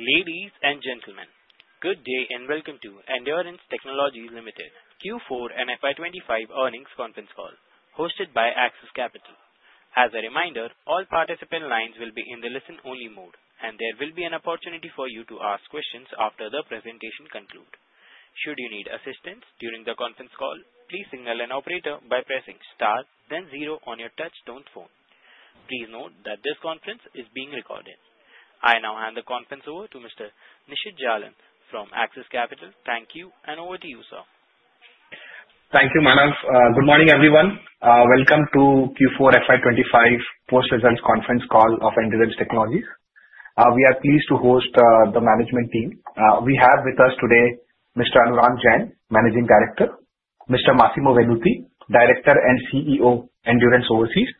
Ladies and gentlemen, good day and Welcome to Endurance Technologies Limited Q4 and FY2025 Earnings Conference Call, hosted by Axis Capital. As a reminder, all participant lines will be in the listen-only mode, and there will be an opportunity for you to ask questions after the presentation concludes. Should you need assistance during the conference call, please signal an operator by pressing Star, then Zero on your touchstone phone. Please note that this conference is being recorded. I now hand the conference over to Mr. Nishit Jalan from Axis Capital. Thank you, and over to you, sir. Thank you, Manav. Good morning, everyone. Welcome to Q4 FY2025 post-results conference call of Endurance Technologies. We are pleased to host the management team. We have with us today Mr. Anurang Jain, Managing Director, Mr. Massimo Venuti, Director and CEO, Endurance Overseas,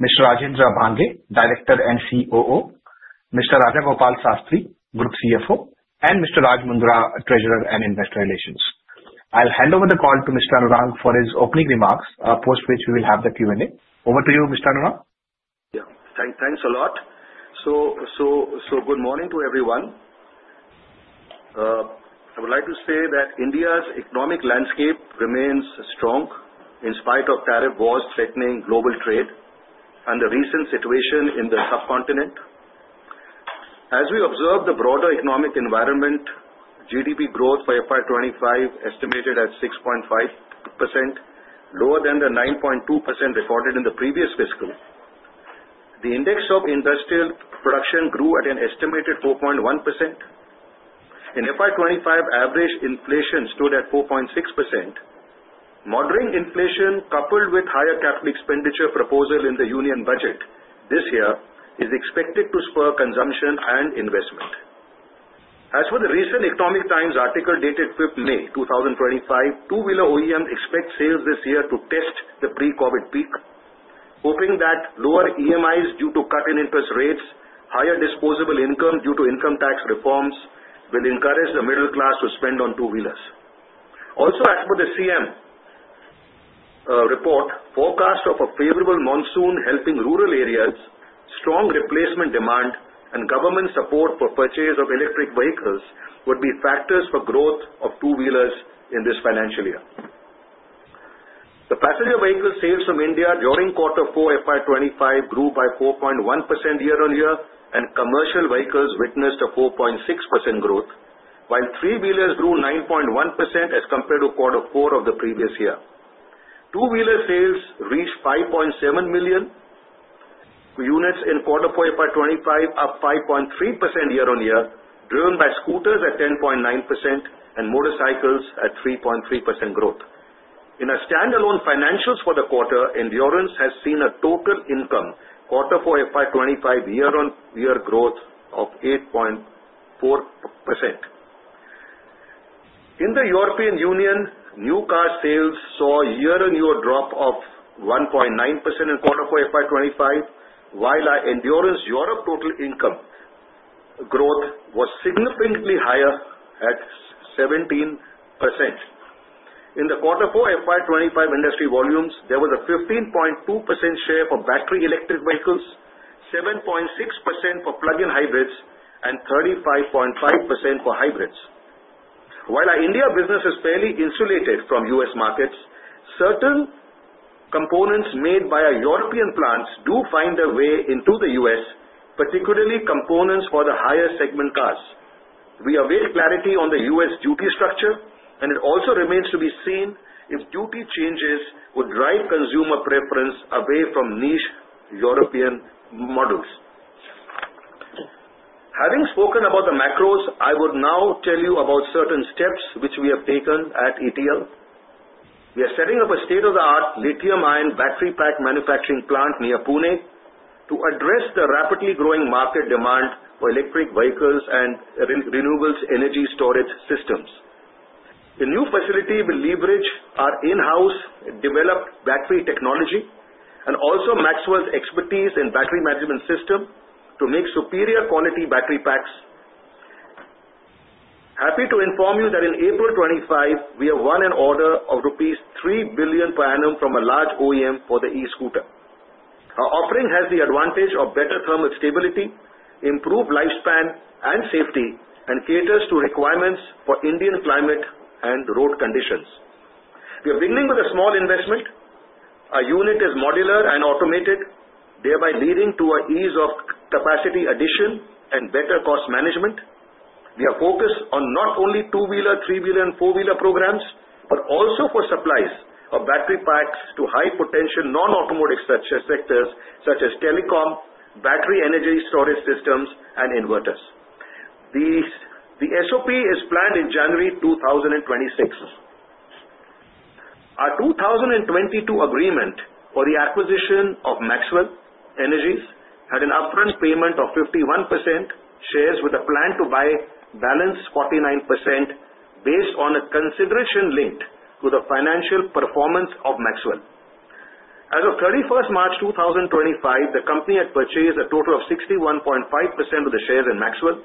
Mr. Rajendra Abhange, Director and COO, Mr. Rajagopal Sastri, Group CFO, and Mr. Raj Mundra, Treasurer and Investor Relations. I'll hand over the call to Mr. Anurang for his opening remarks, post which we will have the Q&A. Over to you, Mr. Anurang. Yeah, thanks a lot. Good morning to everyone. I would like to say that India's economic landscape remains strong in spite of tariff wars threatening global trade and the recent situation in the subcontinent. As we observe the broader economic environment, GDP growth for FY2025 is estimated at 6.5%, lower than the 9.2% recorded in the previous fiscal. The index of industrial production grew at an estimated 4.1%. In FY2025, average inflation stood at 4.6%. Moderating inflation, coupled with higher capital expenditure proposals in the union budget this year, is expected to spur consumption and investment. As for the recent Economic Times article dated 5th May 2025, two-wheeler OEMs expect sales this year to test the pre-COVID peak, hoping that lower EMIs due to cut-in interest rates, higher disposable income due to income tax reforms will encourage the middle class to spend on two-wheelers. Also, as for the CM report, forecasts of a favorable monsoon helping rural areas, strong replacement demand, and government support for purchase of electric vehicles would be factors for growth of two-wheelers in this financial year. The passenger vehicle sales from India during quarter four 2025 grew by 4.1% year-on-year, and commercial vehicles witnessed a 4.6% growth, while three-wheelers grew 9.1% as compared to quarter four of the previous year. Two-wheeler sales reached 5.7 million units in quarter four 2025, up 5.3% year-on-year, driven by scooters at 10.9% and motorcycles at 3.3% growth. In standalone financials for the quarter, Endurance has seen a total income quarter four 2025 year-on-year growth of 8.4%. In the European Union, new car sales saw a year-on-year drop of 1.9% in quarter four 2025, while Endurance Europe total income growth was significantly higher at 17%. In the quarter four FY2025 industry volumes, there was a 15.2% share for battery electric vehicles, 7.6% for plug-in hybrids, and 35.5% for hybrids. While our India business is fairly insulated from U.S. markets, certain components made by our European plants do find their way into the U.S., particularly components for the higher segment cars. We await clarity on the U.S. duty structure, and it also remains to be seen if duty changes would drive consumer preference away from niche European models. Having spoken about the macros, I would now tell you about certain steps which we have taken at Endurance Technologies. We are setting up a state-of-the-art lithium-ion battery pack manufacturing plant near Pune to address the rapidly growing market demand for electric vehicles and renewables energy storage systems. The new facility will leverage our in-house developed battery technology and also Maxwell's expertise in battery management system to make superior quality battery packs. Happy to inform you that in April 2025, we have won an order of rupees 3 billion per annum from a large OEM for the e-scooter. Our offering has the advantage of better thermal stability, improved lifespan, and safety, and caters to requirements for Indian climate and road conditions. We are beginning with a small investment. Our unit is modular and automated, thereby leading to an ease of capacity addition and better cost management. We are focused on not only two-wheeler, three-wheeler, and four-wheeler programs, but also for supplies of battery packs to high-potential non-automotive sectors such as telecom, battery energy storage systems, and inverters. The SOP is planned in January 2026. Our 2022 agreement for the acquisition of Maxwell Energies had an upfront payment of 51% shares with a plan to buy balance 49% based on a consideration linked to the financial performance of Maxwell. As of 31 March 2025, the company had purchased a total of 61.5% of the shares in Maxwell.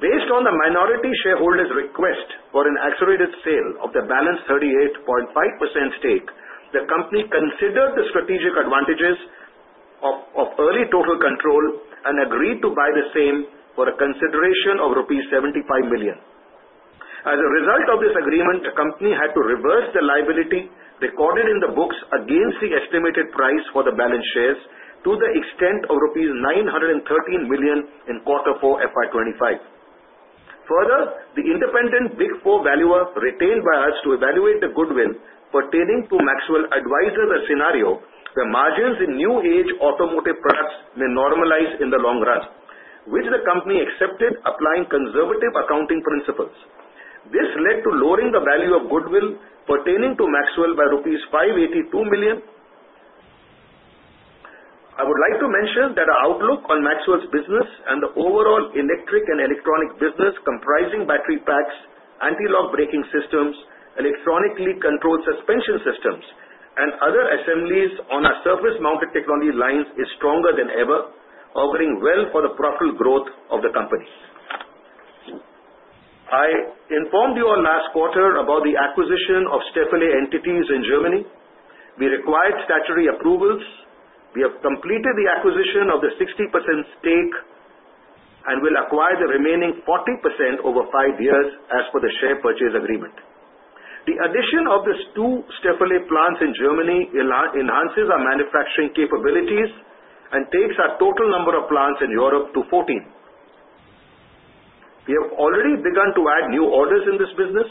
Based on the minority shareholders' request for an accelerated sale of the balance 38.5% stake, the company considered the strategic advantages of early total control and agreed to buy the same for a consideration of rupees 75 million. As a result of this agreement, the company had to reverse the liability recorded in the books against the estimated price for the balance shares to the extent of 913 million rupees in quarter four FY2025. Further, the independent Big Four valuer retained by us to evaluate the goodwill pertaining to Maxwell advises a scenario where margins in new age automotive products may normalize in the long run, which the company accepted, applying conservative accounting principles. This led to lowering the value of goodwill pertaining to Maxwell by rupees 582 million. I would like to mention that our outlook on Maxwell's business and the overall electric and electronic business comprising battery packs, anti-lock braking systems, electronically controlled suspension systems, and other assemblies on our surface-mounted technology lines is stronger than ever, offering well for the profitable growth of the company. I informed you last quarter about the acquisition of Staffele entities in Germany. We required statutory approvals. We have completed the acquisition of the 60% stake and will acquire the remaining 40% over five years as per the share purchase agreement. The addition of these two Staffele plants in Germany enhances our manufacturing capabilities and takes our total number of plants in Europe to 14. We have already begun to add new orders in this business.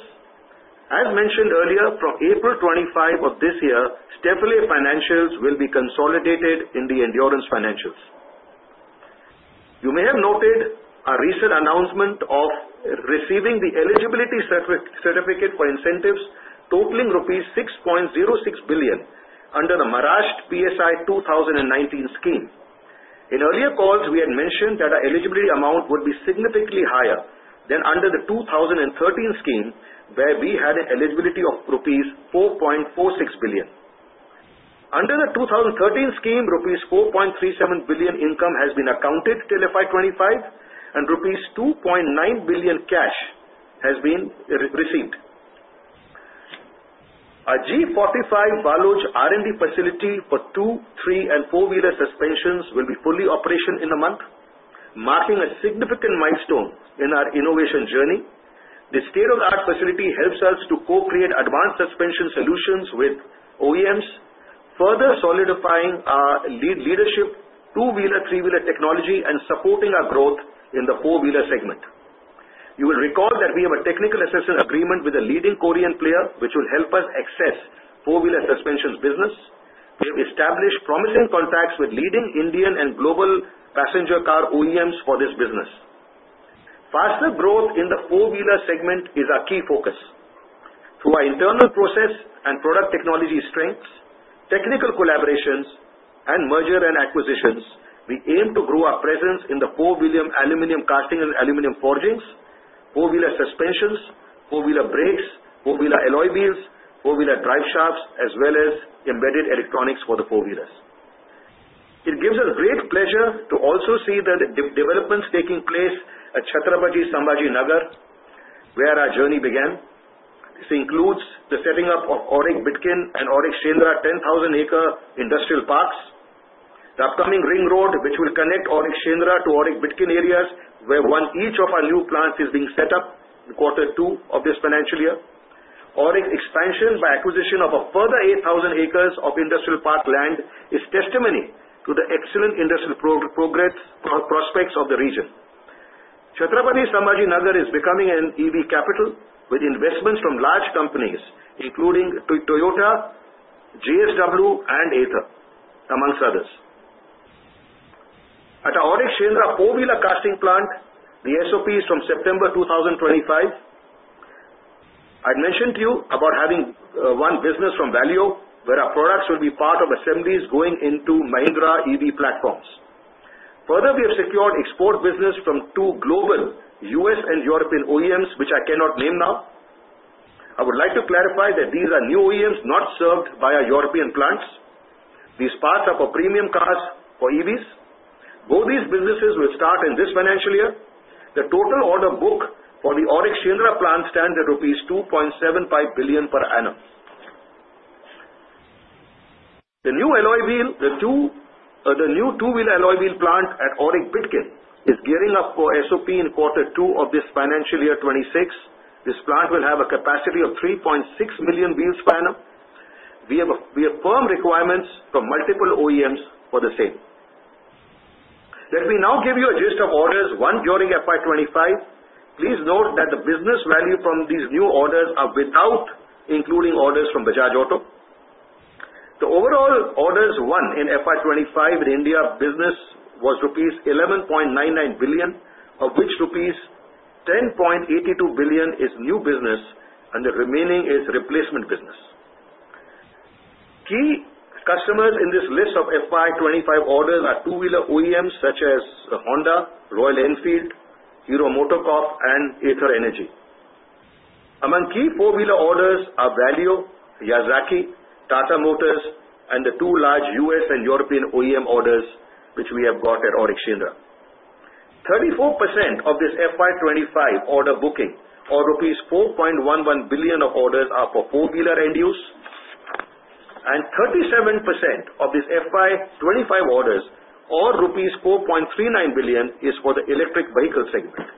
As mentioned earlier, from April 25 of this year, Staffele financials will be consolidated in the Endurance financials. You may have noted our recent announcement of receiving the eligibility certificate for incentives totaling rupees 6.06 billion under the Maharashtra PSI 2019 scheme. In earlier calls, we had mentioned that our eligibility amount would be significantly higher than under the 2013 scheme, where we had an eligibility of rupees 4.46 billion. Under the 2013 scheme, rupees 4.37 billion income has been accounted till FY2025, and rupees 2.9 billion cash has been received. Our G45 Baluja R&D facility for two-, three-, and four-wheeler suspensions will be fully operational in a month, marking a significant milestone in our innovation journey. The state-of-the-art facility helps us to co-create advanced suspension solutions with OEMs, further solidifying our leadership, two-wheeler, three-wheeler technology, and supporting our growth in the four-wheeler segment. You will recall that we have a technical assistance agreement with a leading Korean player, which will help us access four-wheeler suspensions business. We have established promising contacts with leading Indian and global passenger car OEMs for this business. Faster growth in the four-wheeler segment is our key focus. Through our internal process and product technology strengths, technical collaborations, and merger and acquisitions, we aim to grow our presence in the four-wheeler aluminum casting and aluminum forgings, four-wheeler suspensions, four-wheeler brakes, four-wheeler alloy wheels, four-wheeler drive shafts, as well as embedded electronics for the four-wheelers. It gives us great pleasure to also see the developments taking place at Chhatrapati Sambhaji Nagar, where our journey began. This includes the setting up of Auric Bidkin and Auric Shendra 10,000-acre industrial parks, the upcoming ring road, which will connect Auric Shendra to Auric Bidkin areas, where each of our new plants is being set up in quarter two of this financial year. Auric expansion by acquisition of a further 8,000 acres of industrial park land is testimony to the excellent industrial progress prospects of the region. Chhatrapati Sambhaji Nagar is becoming an EV capital with investments from large companies, including Toyota, GSW, and Aether, amongst others. At Auric Shendra four-wheeler casting plant, the SOP is from September 2025. I mentioned to you about having one business from Valeo, where our products will be part of assemblies going into Mahindra EV platforms. Further, we have secured export business from two global U.S. and European OEMs, which I cannot name now. I would like to clarify that these are new OEMs not served by our European plants. These parts are for premium cars for EVs. Both these businesses will start in this financial year. The total order book for the Auric Shaindra plant stands at INR 2.75 billion per annum. The new alloy wheel, the new two-wheeler alloy wheel plant at Auric Bitkin, is gearing up for SOP in quarter two of this financial year 2026. This plant will have a capacity of 3.6 million wheels per annum. We have firm requirements from multiple OEMs for the same. Let me now give you a list of orders, one during FY2025. Please note that the business value from these new orders is without including orders from Bajaj Auto. The overall orders won in FY2025 in India business was rupees 11.99 billion, of which rupees 10.82 billion is new business, and the remaining is replacement business. Key customers in this list of FY2025 orders are two-wheeler OEMs such as Honda, Royal Enfield, Hero MotoCorp, and Aether Energy. Among key four-wheeler orders are Valeo, Yazaki, Tata Motors, and the two large U.S. and European OEM orders which we have got at Auric Shendra. 34% of this FY2025 order booking, or rupees 4.11 billion of orders, are for four-wheeler end use, and 37% of this FY2025 orders, or rupees 4.39 billion, is for the electric vehicle segment.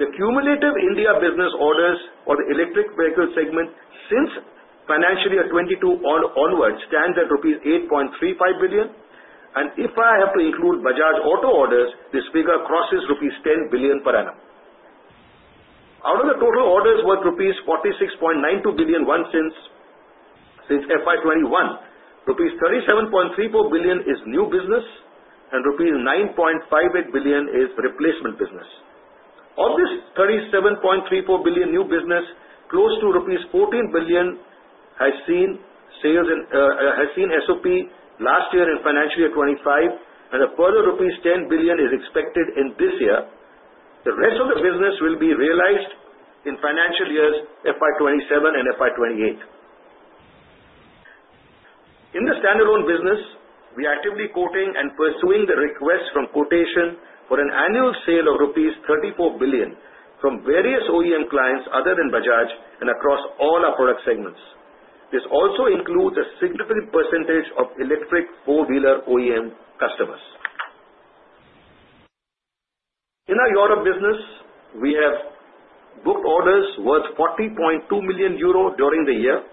The cumulative India business orders for the electric vehicle segment since financial year 2022 onwards stands at rupees 8.35 billion, and if I have to include Bajaj Auto orders, this figure crosses rupees 10 billion per annum. Out of the total orders worth rupees 46.92 billion since FY2021, 37.34 billion rupees is new business, and rupees 9.58 billion is replacement business. Of this 37.34 billion new business, close to rupees 14 billion has seen SOP last year in financial year 2025, and a further rupees 10 billion is expected in this year. The rest of the business will be realized in financial years FY2027 and FY2028. In the standalone business, we are actively quoting and pursuing the request from quotation for an annual sale of 34 billion rupees from various OEM clients other than Bajaj and across all our product segments. This also includes a significant % of electric four-wheeler OEM customers. In our Europe business, we have booked orders worth 40.2 million euro during the year.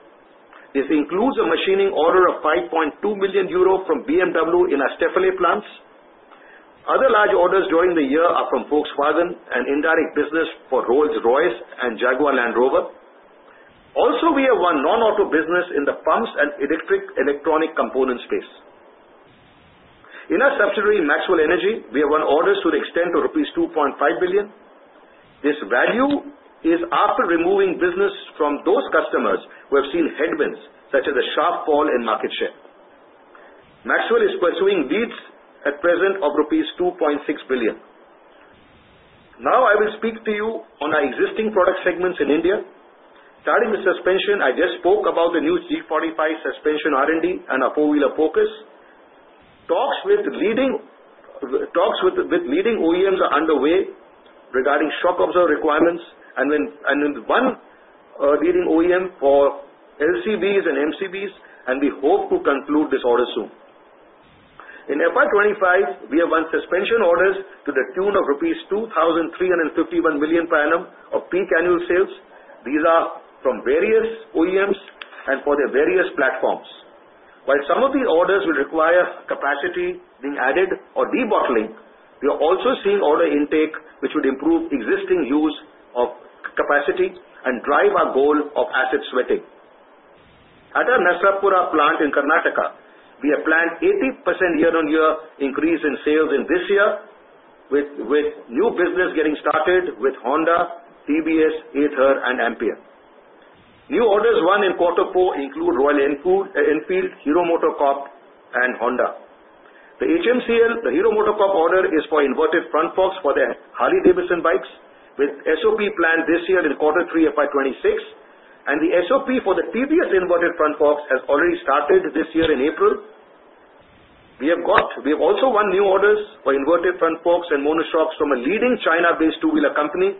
This includes a machining order of 5.2 million euro from BMW in our Staffele plants. Other large orders during the year are from Volkswagen and indirect business for Rolls-Royce and Jaguar Land Rover. Also, we have one non-auto business in the pumps and electronic component space. In our subsidiary Maxwell Energies, we have one order to the extent of rupees 2.5 billion. This value is after removing business from those customers who have seen headwinds, such as a sharp fall in market share. Maxwell is pursuing leads at present of rupees 2.6 billion. Now, I will speak to you on our existing product segments in India. Regarding the suspension, I just spoke about the new G45 suspension R&D and our four-wheeler focus. Talks with leading OEMs are underway regarding shock absorber requirements, and one leading OEM for LCBs and MCBs, and we hope to conclude this order soon. In FY2025, we have one suspension order to the tune of rupees 2,351 million per annum of peak annual sales. These are from various OEMs and for their various platforms. While some of the orders will require capacity being added or debottlenecking, we are also seeing order intake which would improve existing use of capacity and drive our goal of asset sweating. At our Nasarapura plant in Karnataka, we have planned 80% year-on-year increase in sales in this year, with new business getting started with Honda, TVS, Aether, and Ampere. New orders won in quarter four include Royal Enfield, Hero MotoCorp, and Honda. The HMCL, the Hero MotoCorp order is for inverted front forks for the Harley-Davidson bikes, with SOP planned this year in quarter three FY2026, and the SOP for the TVS inverted front forks has already started this year in April. We have also won new orders for inverted front forks and monoshocks from a leading China-based two-wheeler company,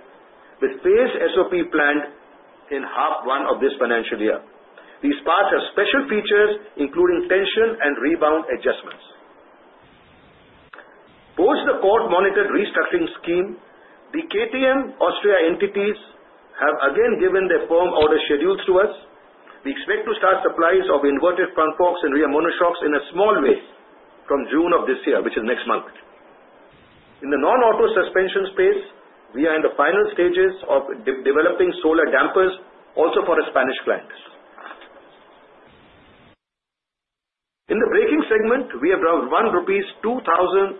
with phased SOP planned in quarter one of this financial year. These parts have special features, including tension and rebound adjustments. Post the court-monitored restructuring scheme, the KTM Austria entities have again given their firm order schedules to us. We expect to start supplies of inverted front forks and rear monoshocks in a small way from June of this year, which is next month. In the non-auto suspension space, we are in the final stages of developing solar dampers, also for a Spanish client. In the braking segment, we have done 2,366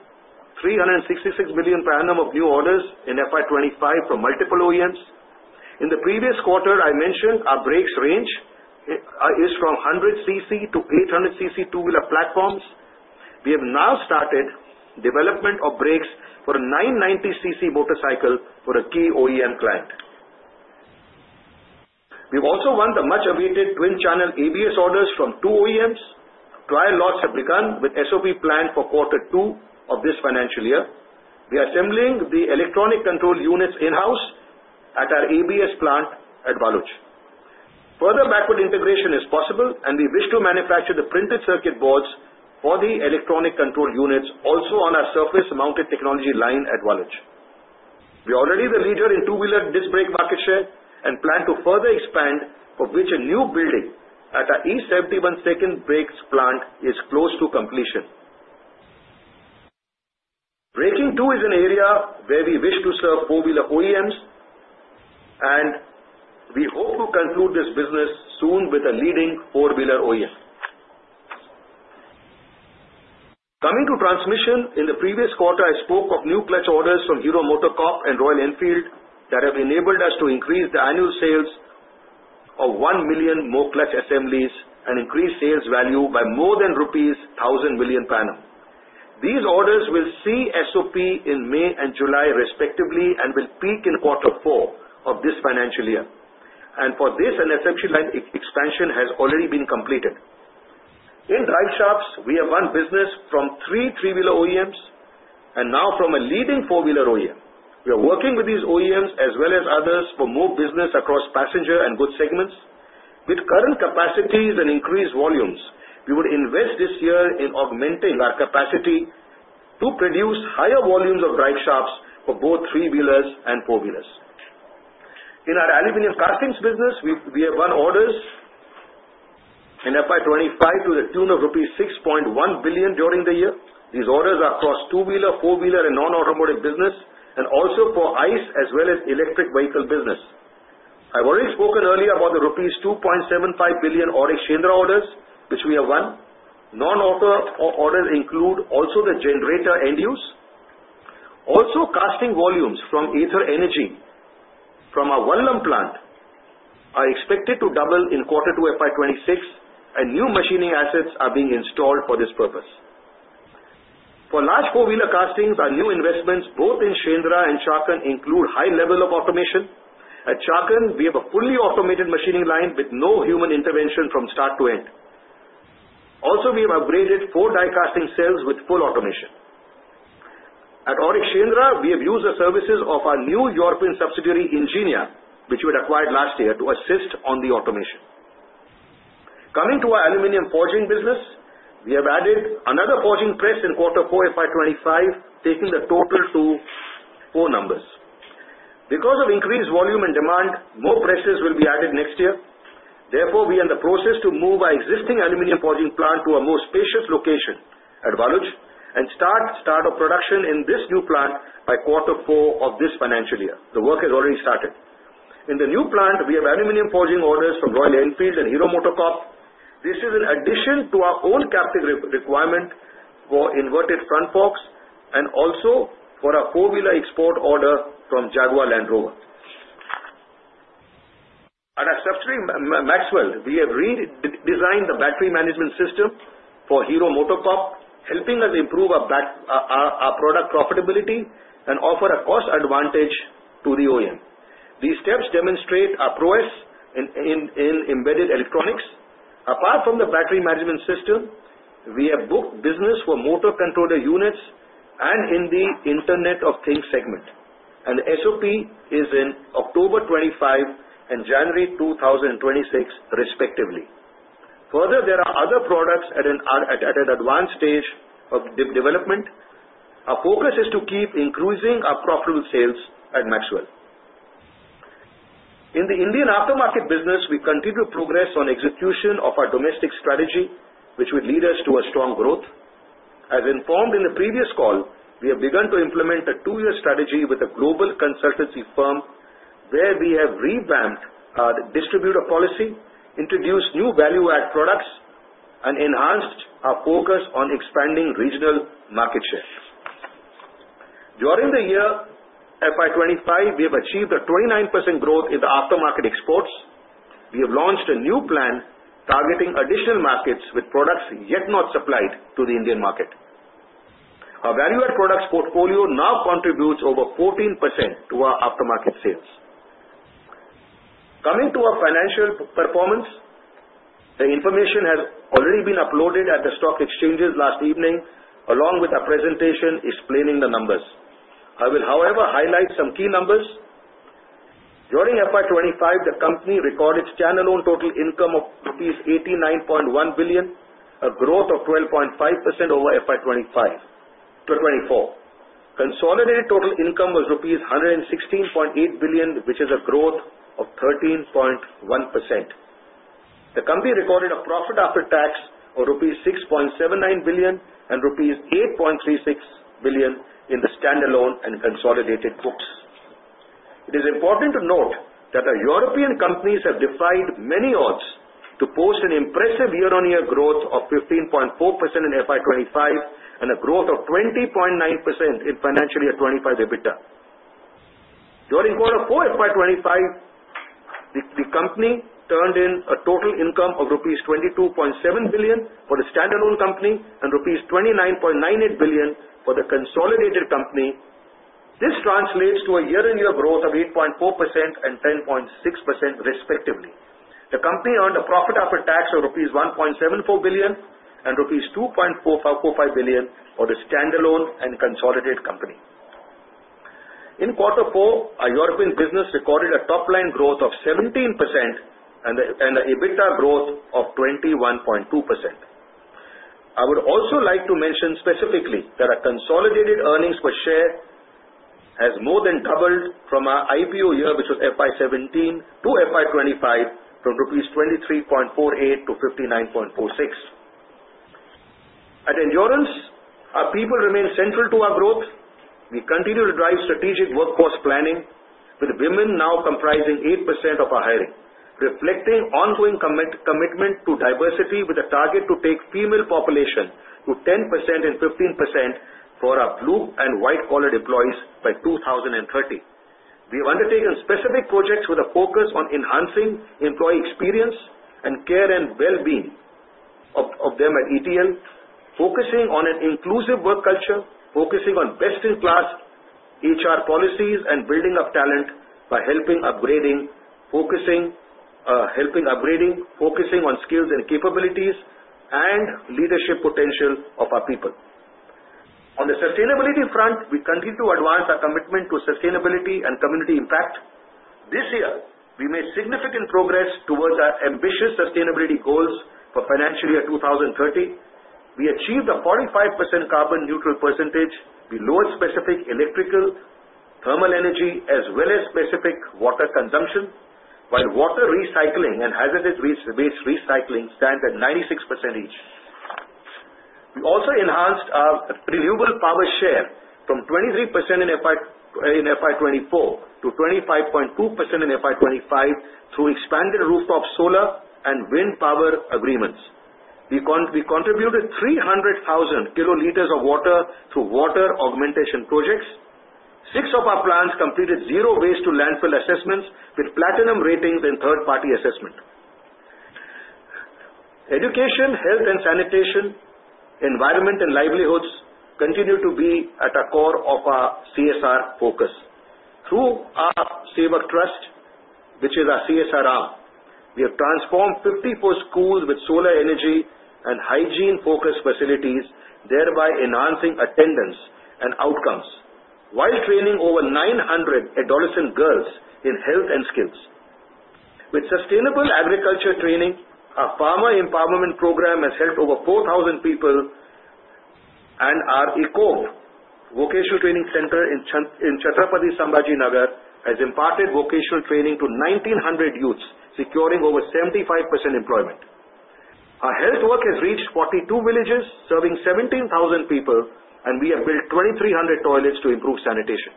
million per annum of new orders in FY2025 from multiple OEMs. In the previous quarter, I mentioned our brakes range is from 100 cc to 800 cc two-wheeler platforms. We have now started development of brakes for a 990 cc motorcycle for a key OEM client. We have also won the much-awaited twin-channel ABS orders from two OEMs, trial lots are being supplied, with SOP planned for quarter two of this financial year. We are assembling the electronic control units in-house at our ABS plant at Chakan. Further backward integration is possible, and we wish to manufacture the printed circuit boards for the electronic control units also on our surface-mounted technology line at Chakan. We are already the leader in two-wheeler disc brake market share and plan to further expand, for which a new building at our E71 second brakes plant is close to completion. Braking too is an area where we wish to serve four-wheeler OEMs, and we hope to conclude this business soon with a leading four-wheeler OEM. Coming to transmission, in the previous quarter, I spoke of new clutch orders from Hero MotoCorp and Royal Enfield that have enabled us to increase the annual sales of one million more clutch assemblies and increase sales value by more than rupees 1,000 million per annum. These orders will see SOP in May and July, respectively, and will peak in quarter four of this financial year. For this, an assembly line expansion has already been completed. In drive shafts, we have won business from three three-wheeler OEMs and now from a leading four-wheeler OEM. We are working with these OEMs as well as others for more business across passenger and goods segments. With current capacities and increased volumes, we would invest this year in augmenting our capacity to produce higher volumes of drive shafts for both three-wheelers and four-wheelers. In our aluminum castings business, we have won orders in FY2025 to the tune of 6.1 billion rupees during the year. These orders are across two-wheeler, four-wheeler, and non-automotive business, and also for ICE as well as electric vehicle business. I've already spoken earlier about the rupees 2.75 billion Auric Chhatrapati Sambhaji Nagar orders, which we have won. Non-auto orders include also the generator end use. Also, casting volumes from Aether Energy from our Waluj plant are expected to double in quarter two FY2026, and new machining assets are being installed for this purpose. For large four-wheeler castings, our new investments, both in Chhatrapati Sambhaji Nagar and Chakan, include high level of automation. At Chakan, we have a fully automated machining line with no human intervention from start to end. Also, we have upgraded four die casting cells with full automation. At Auric Shaindra, we have used the services of our new European subsidiary Engineer, which we had acquired last year, to assist on the automation. Coming to our aluminum forging business, we have added another forging press in quarter four FY2025, taking the total to four numbers. Because of increased volume and demand, more presses will be added next year. Therefore, we are in the process to move our existing aluminum forging plant to a more spacious location at Balegaon and start. Start of production in this new plant by quarter four of this financial year. The work has already started. In the new plant, we have aluminum forging orders from Royal Enfield and Hero MotoCorp. This is in addition to our own captive requirement for inverted front forks and also for our four-wheeler export order from Jaguar Land Rover. At our subsidiary Maxwell, we have redesigned the battery management system for Hero MotoCorp, helping us improve our product profitability and offer a cost advantage to the OEM. These steps demonstrate our prowess in embedded electronics. Apart from the battery management system, we have booked business for motor controller units and in the Internet of Things segment. The SOP is in October 2025 and January 2026, respectively. Further, there are other products at an advanced stage of development. Our focus is to keep increasing our profitable sales at Maxwell. In the Indian aftermarket business, we continue to progress on execution of our domestic strategy, which would lead us to a strong growth. As informed in the previous call, we have begun to implement a two-year strategy with a global consultancy firm where we have revamped our distributive policy, introduced new value-add products, and enhanced our focus on expanding regional market share. During the year FY2025, we have achieved a 29% growth in the aftermarket exports. We have launched a new plan targeting additional markets with products yet not supplied to the Indian market. Our value-add products portfolio now contributes over 14% to our aftermarket sales. Coming to our financial performance, the information has already been uploaded at the stock exchanges last evening, along with a presentation explaining the numbers. I will, however, highlight some key numbers. During FY2025, the company recorded standalone total income of 89.1 billion rupees, a growth of 12.5% over FY2024. Consolidated total income was INR 116.8 billion, which is a growth of 13.1%. The company recorded a profit after tax of rupees 6.79 billion and rupees 8.36 billion in the standalone and consolidated books. It is important to note that our European companies have defied many odds to post an impressive year-on-year growth of 15.4% in FY2025 and a growth of 20.9% in financial year 2025 EBITDA. During quarter four FY2025, the company turned in a total income of rupees 22.7 billion for the standalone company and rupees 29.98 billion for the consolidated company. This translates to a year-on-year growth of 8.4% and 10.6%, respectively. The company earned a profit after tax of 1.74 billion rupees and 2.45 billion rupees for the standalone and consolidated company. In quarter four, our European business recorded a top-line growth of 17% and an EBITDA growth of 21.2%. I would also like to mention specifically that our consolidated earnings per share has more than doubled from our IPO year, which was FY 2017, to FY 2025 from rupees 23.48 to 59.46. At Endurance, our people remain central to our growth. We continue to drive strategic workforce planning, with women now comprising 8% of our hiring, reflecting ongoing commitment to diversity with a target to take female population to 10% and 15% for our blue and white-collared employees by 2030. We have undertaken specific projects with a focus on enhancing employee experience and care and well-being of them at ETL, focusing on an inclusive work culture, focusing on best-in-class HR policies and building up talent by helping upgrading, focusing on skills and capabilities and leadership potential of our people. On the sustainability front, we continue to advance our commitment to sustainability and community impact. This year, we made significant progress towards our ambitious sustainability goals for financial year 2030. We achieved a 45% carbon-neutral percentage. We lowered specific electrical, thermal energy, as well as specific water consumption, while water recycling and hazardous waste recycling stand at 96% each. We also enhanced our renewable power share from 23% in FY 2024 to 25.2% in FY 2025 through expanded rooftop solar and wind power agreements. We contributed 300,000 kiloliters of water through water augmentation projects. Six of our plants completed zero waste-to-landfill assessments with platinum ratings in third-party assessment. Education, health and sanitation, environment and livelihoods continue to be at the core of our CSR focus. Through our Save a Trust, which is our CSR arm, we have transformed 54 schools with solar energy and hygiene-focused facilities, thereby enhancing attendance and outcomes while training over 900 adolescent girls in health and skills. With sustainable agriculture training, our farmer empowerment program has helped over 4,000 people, and our ECOV vocational training center in Chhatrapati Sambhaji Nagar has imparted vocational training to 1,900 youths, securing over 75% employment. Our health work has reached 42 villages, serving 17,000 people, and we have built 2,300 toilets to improve sanitation.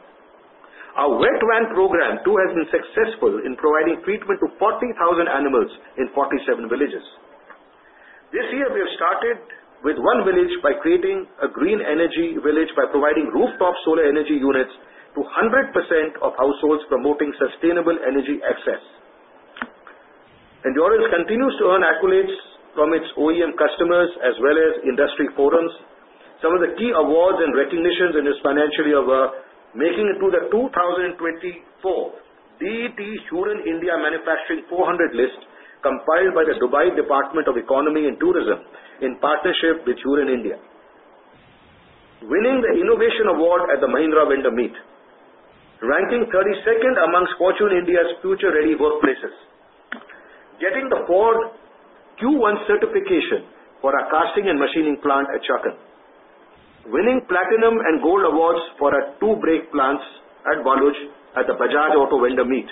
Our wet-wan program too has been successful in providing treatment to 40,000 animals in 47 villages. This year, we have started with one village by creating a green energy village by providing rooftop solar energy units to 100% of households, promoting sustainable energy access. Endurance continues to earn accolades from its OEM customers as well as industry forums. Some of the key awards and recognitions in this financial year were making it to the 2024 DET Hurun India Manufacturing 400 list compiled by the Dubai Department of Economy and Tourism in partnership with Hurun India, winning the Innovation Award at the Mahindra Vendor Meet, ranking 32nd amongst Fortune India's future-ready workplaces, getting the Ford quarter one certification for our casting and machining plant at Chakan, winning platinum and gold awards for our two brake plants at Baluj at the Bajaj Auto Vendor Meet,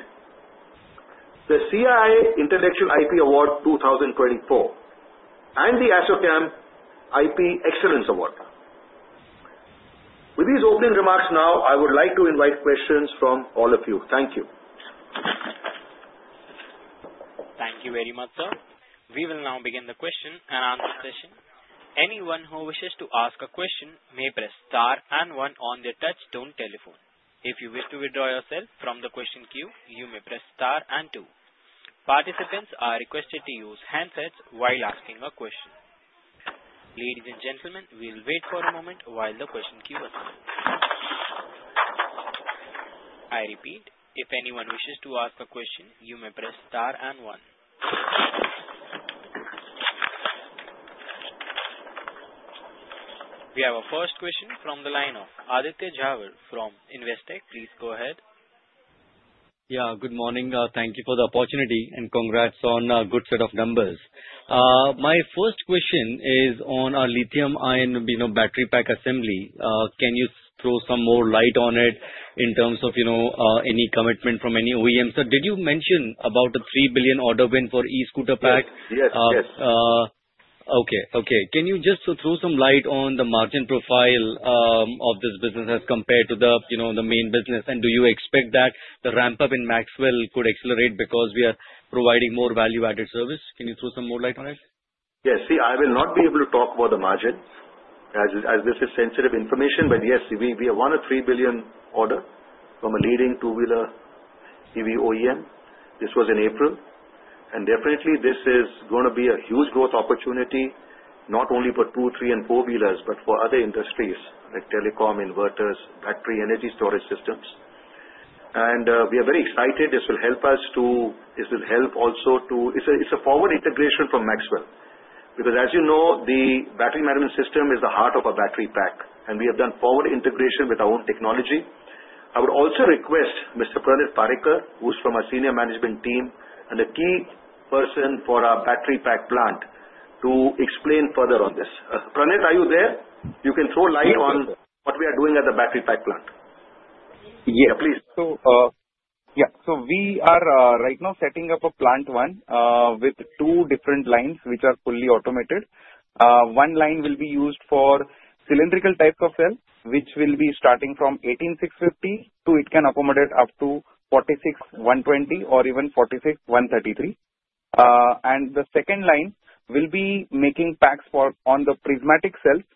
the CII Intellectual IP Award 2024, and the ASSOCHAM IP Excellence Award. With these opening remarks now, I would like to invite questions from all of you. Thank you. Thank you very much, sir. We will now begin the question and answer session. Anyone who wishes to ask a question may press star and one on the touchstone telephone. If you wish to withdraw yourself from the question queue, you may press star and two. Participants are requested to use handsets while asking a question. Ladies and gentlemen, we'll wait for a moment while the question queue opens. I repeat, if anyone wishes to ask a question, you may press star and one. We have a first question from the line of Aditya Jhawar from Investec. Please go ahead. Yeah, good morning. Thank you for the opportunity and congrats on a good set of numbers. My first question is on our lithium-ion battery pack assembly. Can you throw some more light on it in terms of any commitment from any OEMs? Did you mention about a 3 billion order win for e-scooter pack? Yes, yes. Okay, okay. Can you just throw some light on the margin profile of this business as compared to the main business? Do you expect that the ramp-up in Maxwell could accelerate because we are providing more value-added service? Can you throw some more light on it? Yes. I will not be able to talk about the margin as this is sensitive information, but yes, we have won a 3 billion order from a leading two-wheeler EV OEM. This was in April. This is going to be a huge growth opportunity not only for two-, three-, and four-wheelers but for other industries like telecom, inverters, battery energy storage systems. We are very excited. This will help us to, this will help also to, it is a forward integration from Maxwell because, as you know, the battery management system is the heart of our battery pack, and we have done forward integration with our own technology. I would also request Mr. Pranit Parekar, who's from our senior management team and a key person for our battery pack plant, to explain further on this. Pranit, are you there? You can throw light on what we are doing at the battery pack plant. Yeah, please. Yeah, so we are right now setting up a plant one with two different lines which are fully automated. One line will be used for cylindrical type of cell, which will be starting from 18650 to it can accommodate up to 46120 or even 46133. The second line will be making packs on the prismatic cells,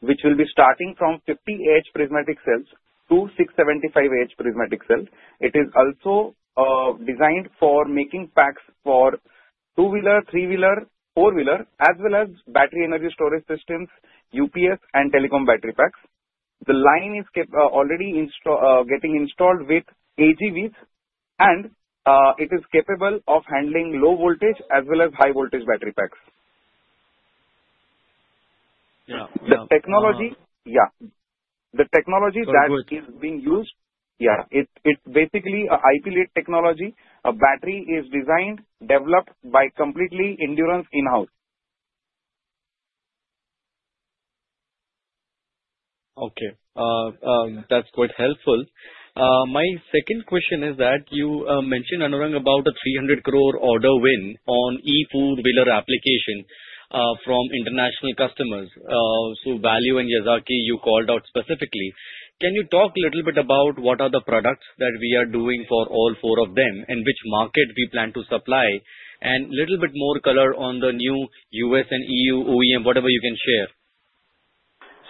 which will be starting from 50H prismatic cells to 675H prismatic cells. It is also designed for making packs for two-wheeler, three-wheeler, four-wheeler, as well as battery energy storage systems, UPS, and telecom battery packs. The line is already getting installed with AGVs, and it is capable of handling low voltage as well as high voltage battery packs. The technology, yeah, the technology that is being used, yeah, it's basically an IP-led technology. A battery is designed, developed by completely Endurance in-house. Okay, that's quite helpful. My second question is that you mentioned, Anurang, about a 3.00 billion order win on e-four-wheeler application from international customers. So Valyu and Yazaki, you called out specifically. Can you talk a little bit about what are the products that we are doing for all four of them and which market we plan to supply? And a little bit more color on the new U.S. and EU OEM, whatever you can share.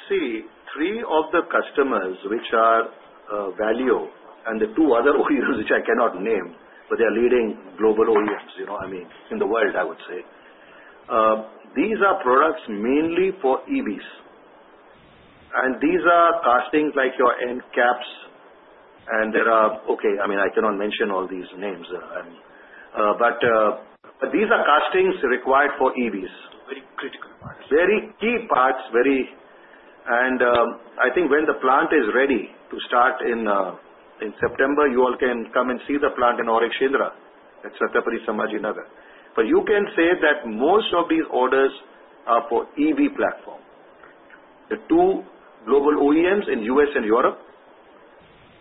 See, three of the customers, which are Valyu and the two other OEMs, which I cannot name, but they are leading global OEMs, I mean, in the world, I would say. These are products mainly for EVs. And these are castings like your end caps, and there are, okay, I mean, I cannot mention all these names. These are castings required for EVs. Very critical parts. Very key parts, very, and I think when the plant is ready to start in September, you all can come and see the plant in Aurikshendra at Chhatrapati Sambhaji Nagar. You can say that most of these orders are for EV platform. The two global OEMs in United States and Europe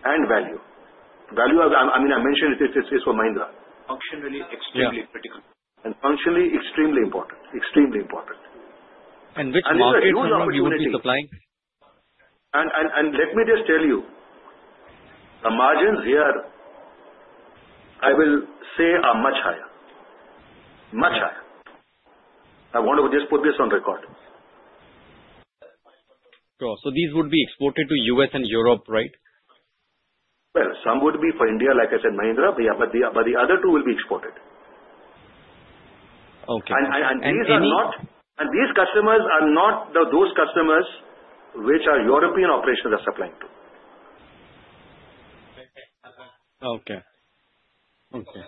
and Valyu. Valyu, I mean, I mentioned it is for Mahindra. Functionally extremely critical. And functionally extremely important. Extremely important. Which two are you going to be supplying? Let me just tell you, the margins here, I will say, are much higher. Much higher. I want to just put this on record. Sure. These would be exported to the U.S. and Europe, right? Some would be for India, like I said, Mahindra, but the other two will be exported. Okay. These are not, and these customers are not those customers which our European operations are supplying to. Okay. Okay.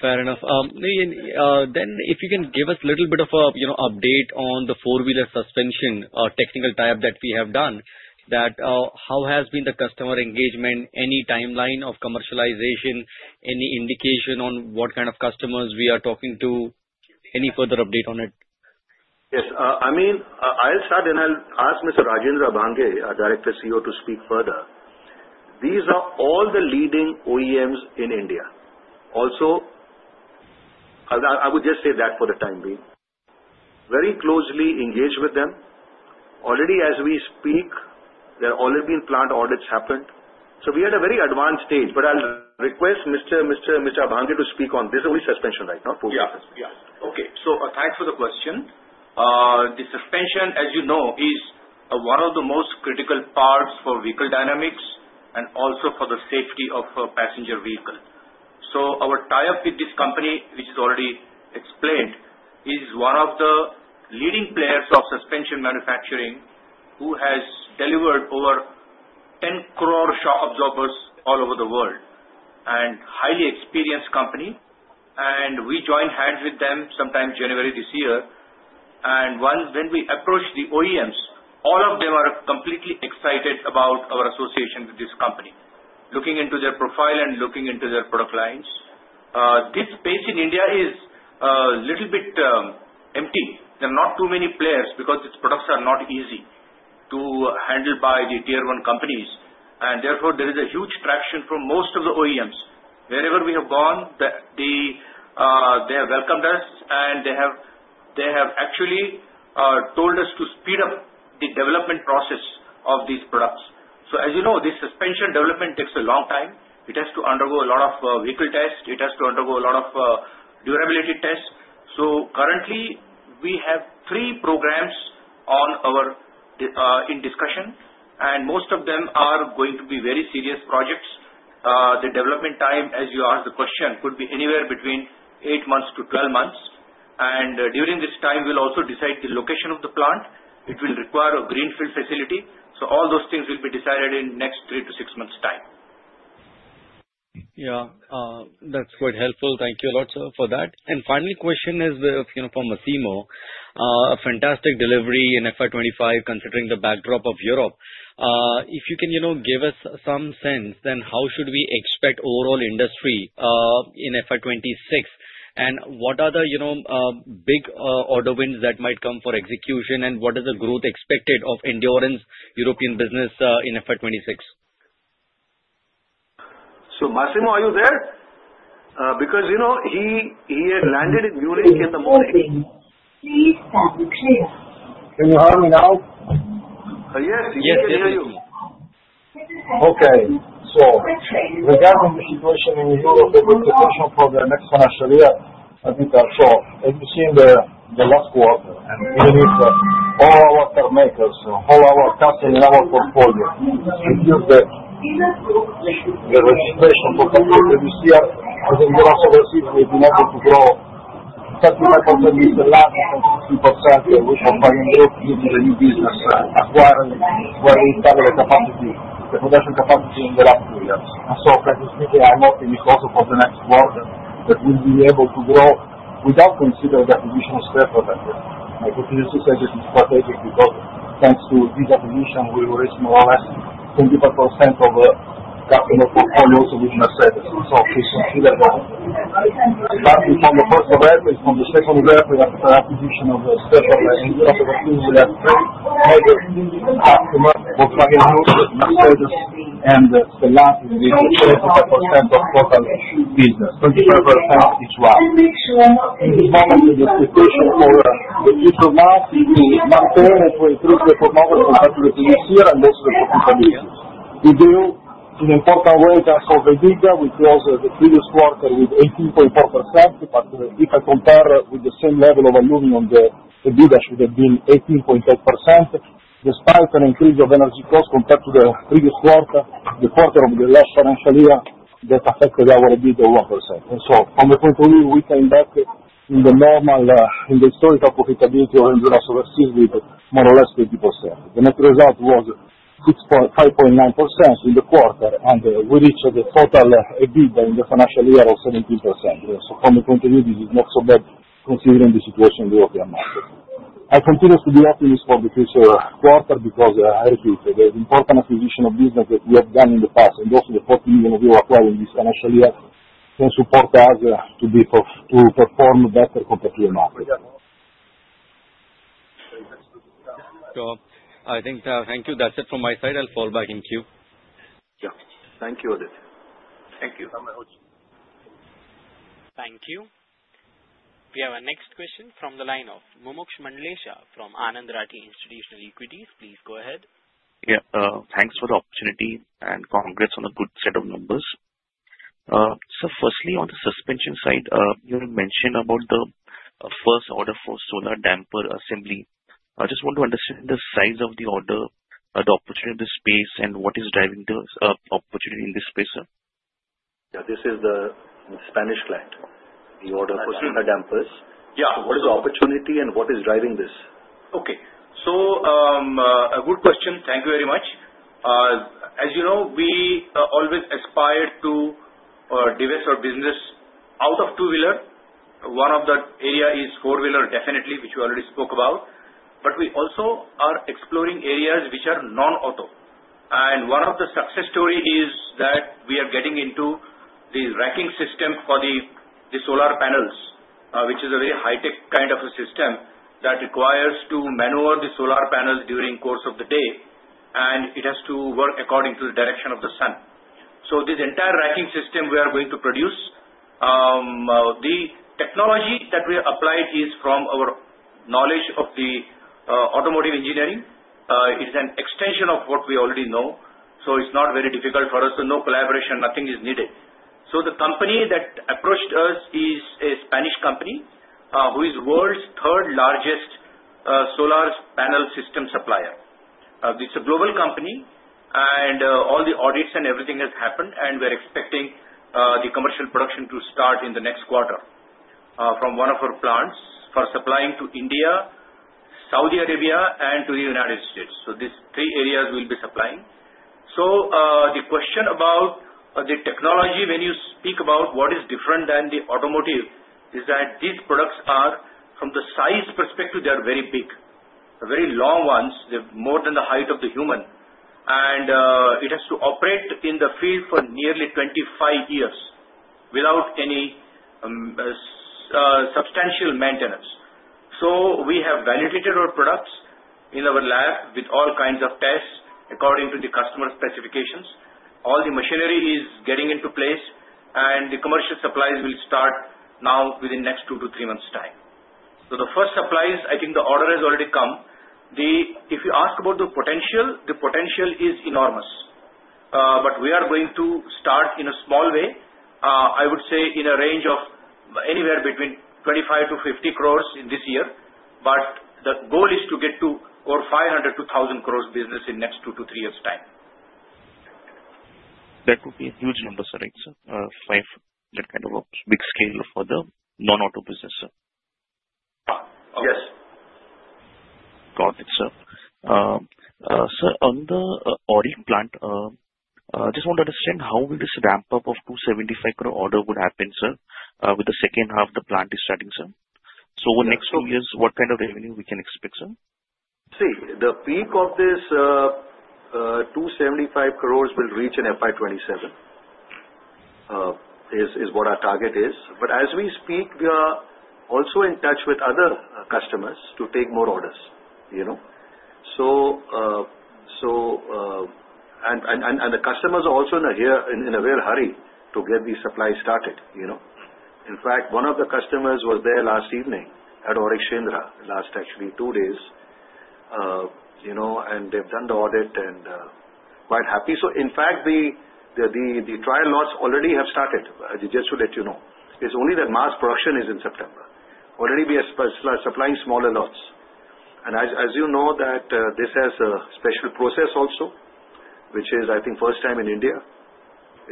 Fair enough. If you can give us a little bit of an update on the four-wheeler suspension technical type that we have done, how has the customer engagement been? Any timeline of commercialization? Any indication on what kind of customers we are talking to? Any further update on it? Yes. I mean, I'll start and I'll ask Mr. Rajendra Abhange, our Director CEO, to speak further. These are all the leading OEMs in India. Also, I would just say that for the time being. Very closely engaged with them. Already, as we speak, their all-in-one plant audits happened. We are at a very advanced stage, but I'll request Mr. Bhange to speak on this. This is only suspension right now, two-wheeler suspension. Yeah. Yeah. Okay. Thanks for the question. The suspension, as you know, is one of the most critical parts for vehicle dynamics and also for the safety of a passenger vehicle. Our tie-up with this company, which is already explained, is one of the leading players of suspension manufacturing who has delivered over 10 crore shock absorbers all over the world and a highly experienced company. We joined hands with them sometime January this year. When we approached the OEMs, all of them are completely excited about our association with this company, looking into their profile and looking into their product lines. This space in India is a little bit empty. There are not too many players because these products are not easy to handle by the tier-one companies. Therefore, there is a huge traction from most of the OEMs. Wherever we have gone, they have welcomed us, and they have actually told us to speed up the development process of these products. As you know, this suspension development takes a long time. It has to undergo a lot of vehicle tests. It has to undergo a lot of durability tests. Currently, we have three programs in discussion, and most of them are going to be very serious projects. The development time, as you asked the question, could be anywhere between eight months to twelve months. During this time, we'll also decide the location of the plant. It will require a greenfield facility. All those things will be decided in the next three to six months' time. Yeah, that's quite helpful. Thank you a lot, sir, for that. Final question is from Massimo. A fantastic delivery in FY 2025 considering the backdrop of Europe. If you can give us some sense, then how should we expect overall industry in FY 2026? What are the big order wins that might come for execution, and what is the growth expected of Endurance European business in FY 2026? Massimo, are you there? Because he had landed in Munich in the morning. Can you hear me now? Yes, you can hear you. Okay. Regarding the situation in Europe with the restriction for the next financial year, Aditya sir, have you seen the last quarter? Even if all our car makers, all our customers, our portfolio reduced the registration for companies that we see are in the Endurance Overseas may be able to grow. 35% is the last 60% which was driving growth due to the new business acquiring while we started the production capacity in the last two years. Frankly speaking, I'm hoping it's also for the next quarter that we'll be able to grow without considering the acquisition of Staffele. My continuous success is strategic because thanks to this acquisition, we will raise more or less 25% of the customer portfolios with Mercedes and Stellantis is 25% of total business. 25% is wow. In this moment, the situation for. It's a month to month-to-year is 23.4% compared to the previous year and also the company. We deal in an important way thanks to Adidas. We closed the previous quarter with 18.4%. If I compare with the same level of aluminum, the Adidas should have been 18.8%. Despite an increase of energy costs compared to the previous quarter, the quarter of the last financial year that affected our Adidas 1%. From the point of view, we came back in the normal in the historical profitability of Endurance Overseas with more or less 20%. The net result was 5.9% in the quarter, and we reached the total Adidas in the financial year of 17%. From the point of view, this is not so bad considering the situation in the European market. I continue to be optimistic for the future quarter because, I repeat, there is an important acquisition of business that we have done in the past, and also the 40 million euro we are acquiring this financial year can support us to perform better compared to the market. Sure. I think thank you. That's it from my side. I'll fall back in queue. Yeah. Thank you, Aditya sir. Thank you. Thank you. We have a next question from the line of Mumuksh Mandlesha from Anand Rathi Institutional Equities. Please go ahead. Yeah. Thanks for the opportunity and congrats on a good set of numbers. Firstly, on the suspension side, you mentioned about the first order for solar damper assembly.I just want to understand the size of the order, the opportunity, the space, and what is driving the opportunity in this space, sir? Yeah. This is the Spanish client. The order for solar dampers. Yeah. What is the opportunity and what is driving this? Okay. A good question. Thank you very much. As you know, we always aspire to divest our business out of two-wheeler. One of the areas is four-wheeler, definitely, which we already spoke about. We also are exploring areas which are non-auto. One of the success stories is that we are getting into the racking system for the solar panels, which is a very high-tech kind of a system that requires to maneuver the solar panels during the course of the day, and it has to work according to the direction of the sun. This entire racking system we are going to produce, the technology that we applied is from our knowledge of automotive engineering. It is an extension of what we already know. It is not very difficult for us. No collaboration, nothing is needed. The company that approached us is a Spanish company who is the world's third-largest solar panel system supplier. It is a global company, and all the audits and everything has happened, and we are expecting the commercial production to start in the next quarter from one of our plants for supplying to India, Saudi Arabia, and the United States. These three areas will be supplying. The question about the technology, when you speak about what is different than the automotive, is that these products are, from the size perspective, very big. They are very long ones. They're more than the height of the human. It has to operate in the field for nearly 25 years without any substantial maintenance. We have validated our products in our lab with all kinds of tests according to the customer specifications. All the machinery is getting into place, and the commercial supplies will start now within the next two to three months' time. The first supplies, I think the order has already come. If you ask about the potential, the potential is enormous. We are going to start in a small way. I would say in a range of anywhere between 250 million-500 million this year. The goal is to get to over 5 billion-10 billion business in the next two to three years' time. That would be a huge number, sir. That kind of a big scale for the non-auto business, sir. Yes. Got it, sir. Sir, on the Aurik plant, I just want to understand how will this ramp-up of 2.75 billion order would happen, sir, with the second half of the plant is starting, sir? Over the next two years, what kind of revenue can we expect, sir? See, the peak of this 2.75 billion will reach in FY 2027 is what our target is. As we speak, we are also in touch with other customers to take more orders. The customers are also in a real hurry to get these supplies started. In fact, one of the customers was there last evening at Aurikshendra, actually, two days. They have done the audit and are quite happy. In fact, the trial lots already have started. I just want to let you know. It is only that mass production is in September. Already, we are supplying smaller lots. As you know, this has a special process also, which is, I think, first time in India.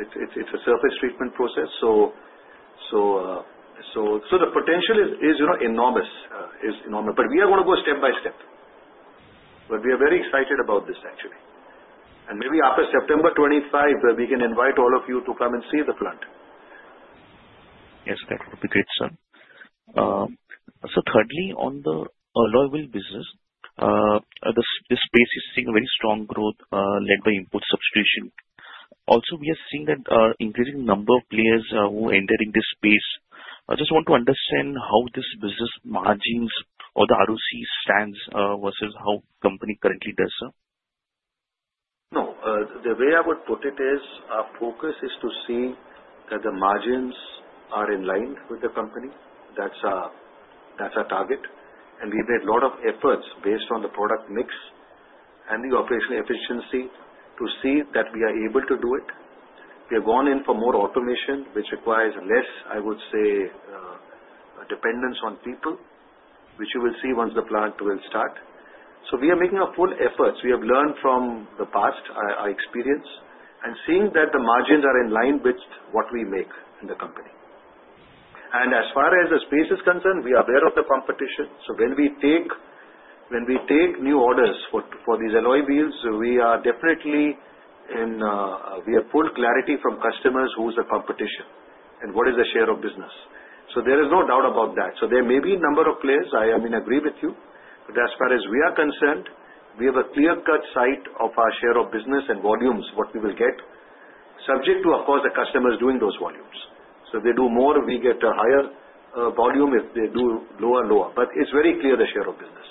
It is a surface treatment process. The potential is enormous. We are going to go step by step. We are very excited about this, actually. Maybe after September 2025, we can invite all of you to come and see the plant. Yes, that would be great, sir. Thirdly, on the alloy wheel business, this space is seeing very strong growth led by input substitution. Also, we are seeing an increasing number of players who enter in this space. I just want to understand how this business margins or the ROC stands versus how the company currently does, sir. No. The way I would put it is our focus is to see that the margins are in line with the company. That is our target. We have made a lot of efforts based on the product mix and the operational efficiency to see that we are able to do it. We have gone in for more automation, which requires less, I would say, dependence on people, which you will see once the plant will start. We are making our full efforts. We have learned from the past, our experience, and seeing that the margins are in line with what we make in the company. As far as the space is concerned, we are aware of the competition. When we take new orders for these alloy wheels, we are definitely in, we have full clarity from customers who is the competition and what is the share of business. There is no doubt about that. There may be a number of players. I am in agreement with you. As far as we are concerned, we have a clear-cut sight of our share of business and volumes, what we will get, subject to, of course, the customers doing those volumes. If they do more, we get a higher volume. If they do lower, lower. It is very clear, the share of business.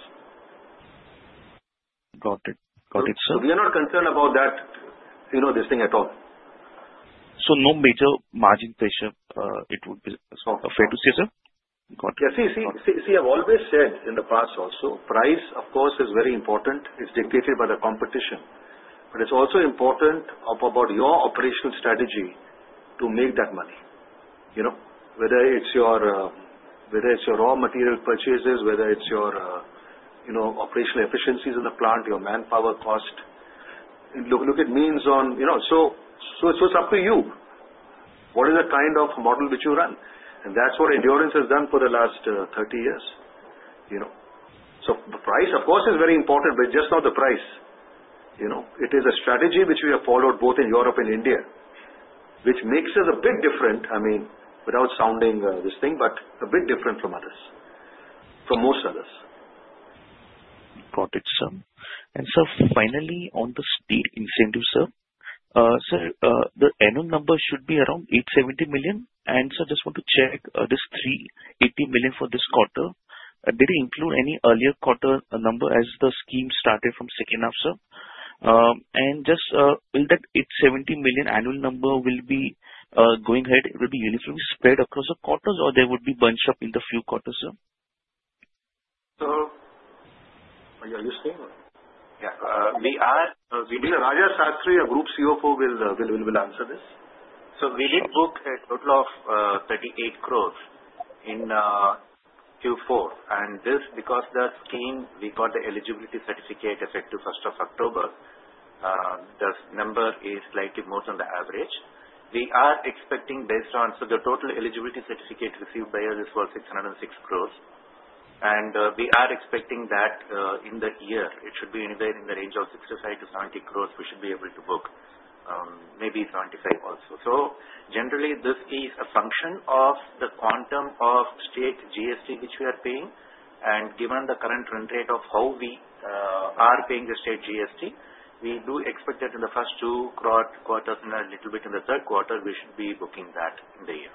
Got it. Got it, sir. We are not concerned about that, this thing at all. No major margin pressure, it would be fair to say, sir? Got it. Yeah. See, I have always said in the past also, price, of course, is very important. It is dictated by the competition. It is also important about your operational strategy to make that money. Whether it is your raw material purchases, whether it is your operational efficiencies in the plant, your manpower cost. Look at means on, so it is up to you. What is the kind of model which you run? And that's what Endurance has done for the last 30 years. The price, of course, is very important, but it's just not the price. It is a strategy which we have followed both in Europe and India, which makes us a bit different, I mean, without sounding this thing, but a bit different from others, from most others. Got it, sir. Finally, on the state incentive, sir, the annual number should be around 870 million. I just want to check, this 380 million for this quarter, did it include any earlier quarter number as the scheme started from second half, sir? Will that 870 million annual number, going ahead, be uniformly spread across the quarters, or would it be bunched up in a few quarters, sir? Are you understanding? Yeah. We will have Rajagopal Sastri, our Group CFO, answer this. So we did book a total of 380 million in quarter four. And this is because the scheme, we got the eligibility certificate effective 1st of October. The number is slightly more than the average. We are expecting, based on, so the total eligibility certificate received by us is for 6.06 billion. And we are expecting that in the year, it should be anywhere in the range of 650 million-700 million, we should be able to book, maybe 750 million also. Generally, this is a function of the quantum of state GST which we are paying. Given the current rate of how we are paying the state GST, we do expect that in the first two quarters and a little bit in the third quarter, we should be booking that in the year.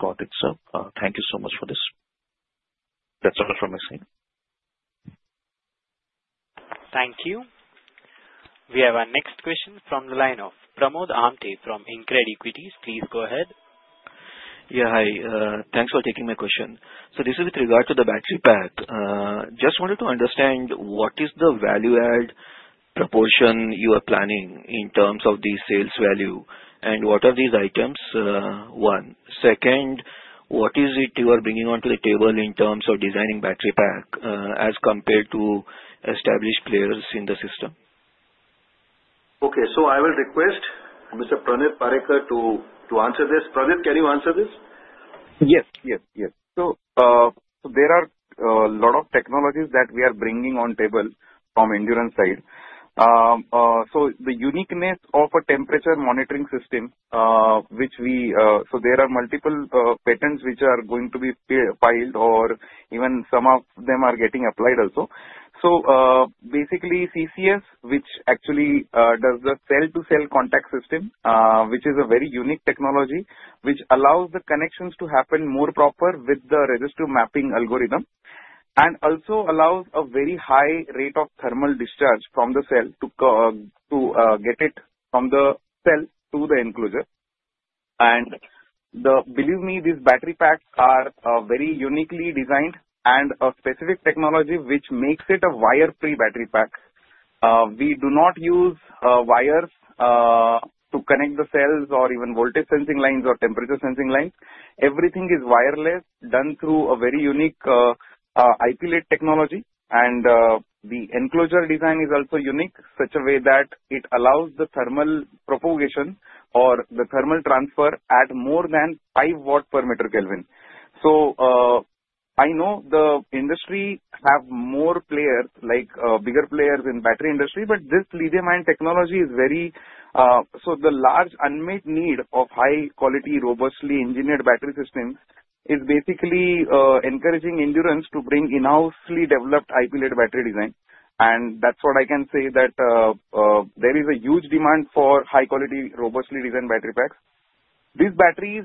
Got it, sir. Thank you so much for this. That's all from my side. Thank you. We have our next question from the line of Pramod Amthe from InCred Equities. Please go ahead. Yeah. Hi. Thanks for taking my question. This is with regard to the battery pack. Just wanted to understand what is the value-add proportion you are planning in terms of the sales value and what are these items? One. Second, what is it you are bringing onto the table in terms of designing battery pack as compared to established players in the system? Okay. I will request Mr. Praneeth Parekar to answer this. Praneeth, can you answer this? Yes. Yes. Yes. There are a lot of technologies that we are bringing on the table from Endurance side. The uniqueness of a temperature monitoring system which we, so there are multiple patents which are going to be filed or even some of them are getting applied also. Basically, CCS, which actually does the cell-to-cell contact system, is a very unique technology which allows the connections to happen more proper with the resistive mapping algorithm and also allows a very high rate of thermal discharge from the cell to get it from the cell to the enclosure. Believe me, these battery packs are very uniquely designed and a specific technology which makes it a wire-free battery pack. We do not use wires to connect the cells or even voltage sensing lines or temperature sensing lines. Everything is wireless, done through a very unique IP-led technology. The enclosure design is also unique in such a way that it allows the thermal propagation or the thermal transfer at more than 5 watt per meter Kelvin. I know the industry has more players, like bigger players in the battery industry, but this lithium-ion technology is very, so the large unmet need of high-quality, robustly engineered battery systems is basically encouraging Endurance to bring in-house developed IP-led battery design. That's what I can say, that there is a huge demand for high-quality, robustly designed battery packs. These batteries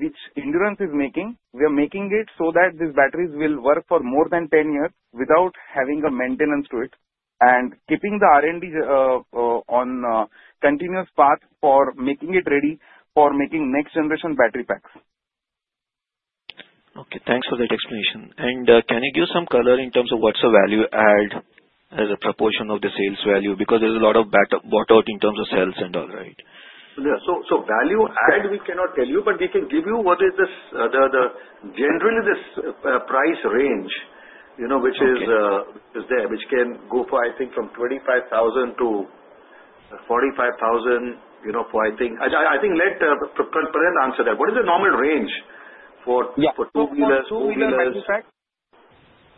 which Endurance is making, we are making it so that these batteries will work for more than 10 years without having a maintenance to it and keeping the R&D on a continuous path for making it ready for making next-generation battery packs. Okay. Thanks for that explanation. Can you give some color in terms of what's the value-add as a proportion of the sales value? Because there's a lot of bottled in terms of sales and all, right? Value-add, we cannot tell you, but we can give you what is generally the price range which is there, which can go for, I think, from 25,000-45,000 for, I think let Praneeth answer that. What is the normal range for two-wheeler battery packs? Yeah. For two-wheeler battery packs,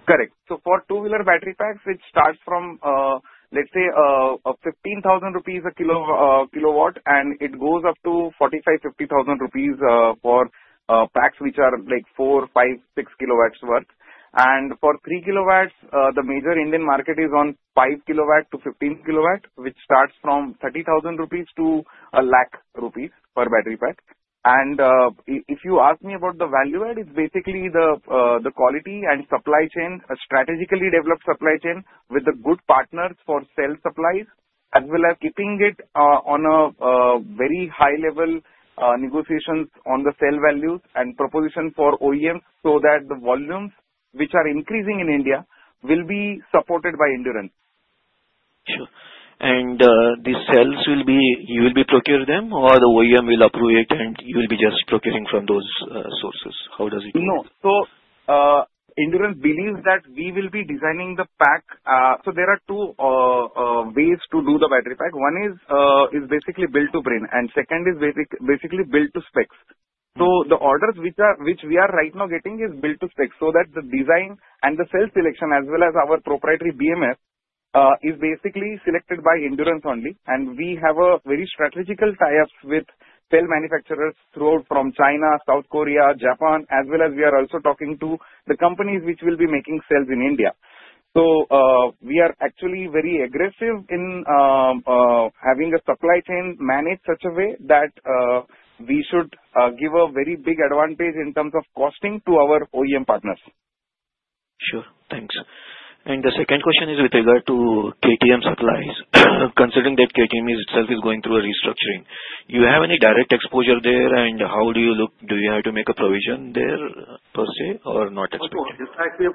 Correct. For two-wheeler battery packs, it starts from, let's say, 15,000 rupees a kilowatt, and it goes up to 45,000-50,000 rupees for packs which are like 4, 5, 6 kW worth. For 3 kW, the major Indian market is on 5 kilowatt to 15 kilowatt, which starts from 30,000 rupees to 100,000 rupees per battery pack. If you ask me about the value-add, it is basically the quality and supply chain, a strategically developed supply chain with good partners for cell supplies, as well as keeping it on a very high-level negotiations on the cell values and proposition for OEMs so that the volumes which are increasing in India will be supported by Endurance. Sure. These cells, you will procure them, or the OEM will approve it, and you will be just procuring from those sources? How does it work? No. Endurance believes that we will be designing the pack. There are two ways to do the battery pack. One is basically build-to-print, and second is basically build-to-specs. The orders which we are right now getting is build-to-specs so that the design and the cell selection, as well as our proprietary BMS, is basically selected by Endurance only. We have very strategical tie-ups with cell manufacturers throughout from China, South Korea, Japan, as well as we are also talking to the companies which will be making cells in India. We are actually very aggressive in having the supply chain managed such a way that we should give a very big advantage in terms of costing to our OEM partners. Sure. Thanks. The second question is with regard to KTM supplies. Considering that KTM itself is going through a restructuring, do you have any direct exposure there, and how do you look? Do you have to make a provision there per se or not expected?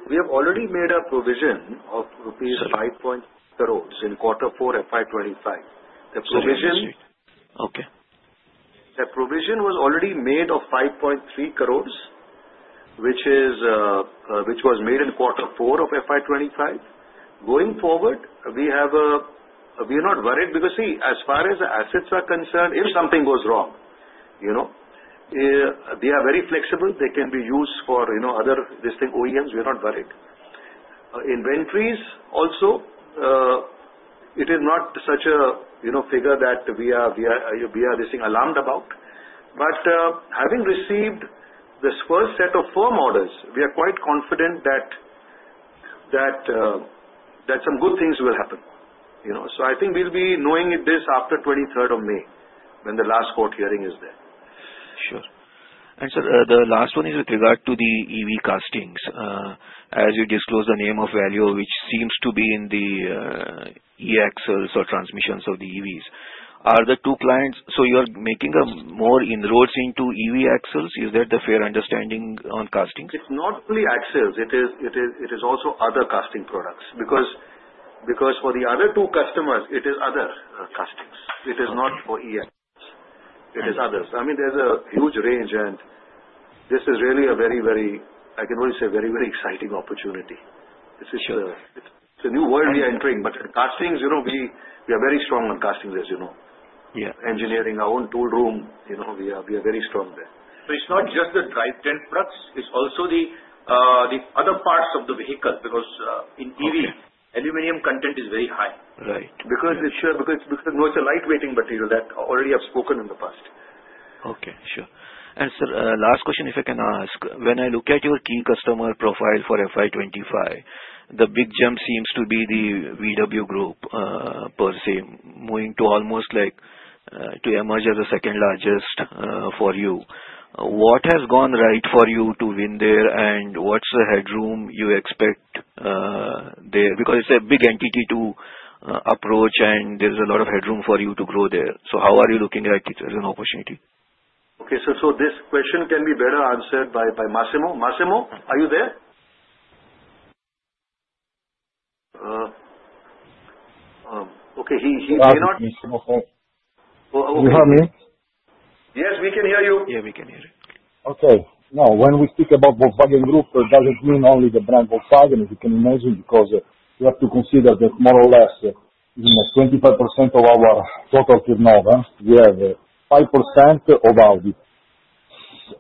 We have already made a provision of rupees 5.30 crore in quarter four FY2025. The provision was already made of 5.30 crore, which was made in quarter four of FY2025. Going forward, we are not worried because, see, as far as the assets are concerned, if something goes wrong, they are very flexible. They can be used for other, this thing, OEMs. We are not worried. Inventories also, it is not such a figure that we are, this thing, alarmed about. Having received this first set of firm orders, we are quite confident that some good things will happen. I think we will be knowing this after 23rd of May when the last court hearing is there. Sure. Sir, the last one is with regard to the EV castings. As you disclosed the name of Valeo, which seems to be in the e-axles or transmissions of the EVs. Are the two clients, so you are making more inroads into EV axles? Is that the fair understanding on castings? It is not only axles. It is also other casting products. Because for the other two customers, it is other castings. It is not for e-axles. It is others. I mean, there is a huge range, and this is really a very, very, I can only say, very, very exciting opportunity. It is a new world we are entering. Castings, we are very strong on castings, as you know. Engineering our own tool room, we are very strong there. It is not just the drive tent products. It is also the other parts of the vehicle because in EV, aluminum content is very high. It is a lightweighting material that already I have spoken in the past. Okay. Sure. And sir, last question if I can ask. When I look at your key customer profile for FY2025, the big gem seems to be the VW Group per se, moving to almost like to emerge as the second largest for you. What has gone right for you to win there, and what's the headroom you expect there? Because it's a big entity to approach, and there's a lot of headroom for you to grow there. How are you looking at it as an opportunity? Okay. This question can be better answered by Massimo. Massimo, are you there? Okay. He may not. Hello? Yes, we can hear you. Yes, we can hear you. Okay. Now, when we speak about Volkswagen Group, it doesn't mean only the brand Volkswagen, as you can imagine, because you have to consider that more or less, even 25% of our total turnover, we have 5% of Audi,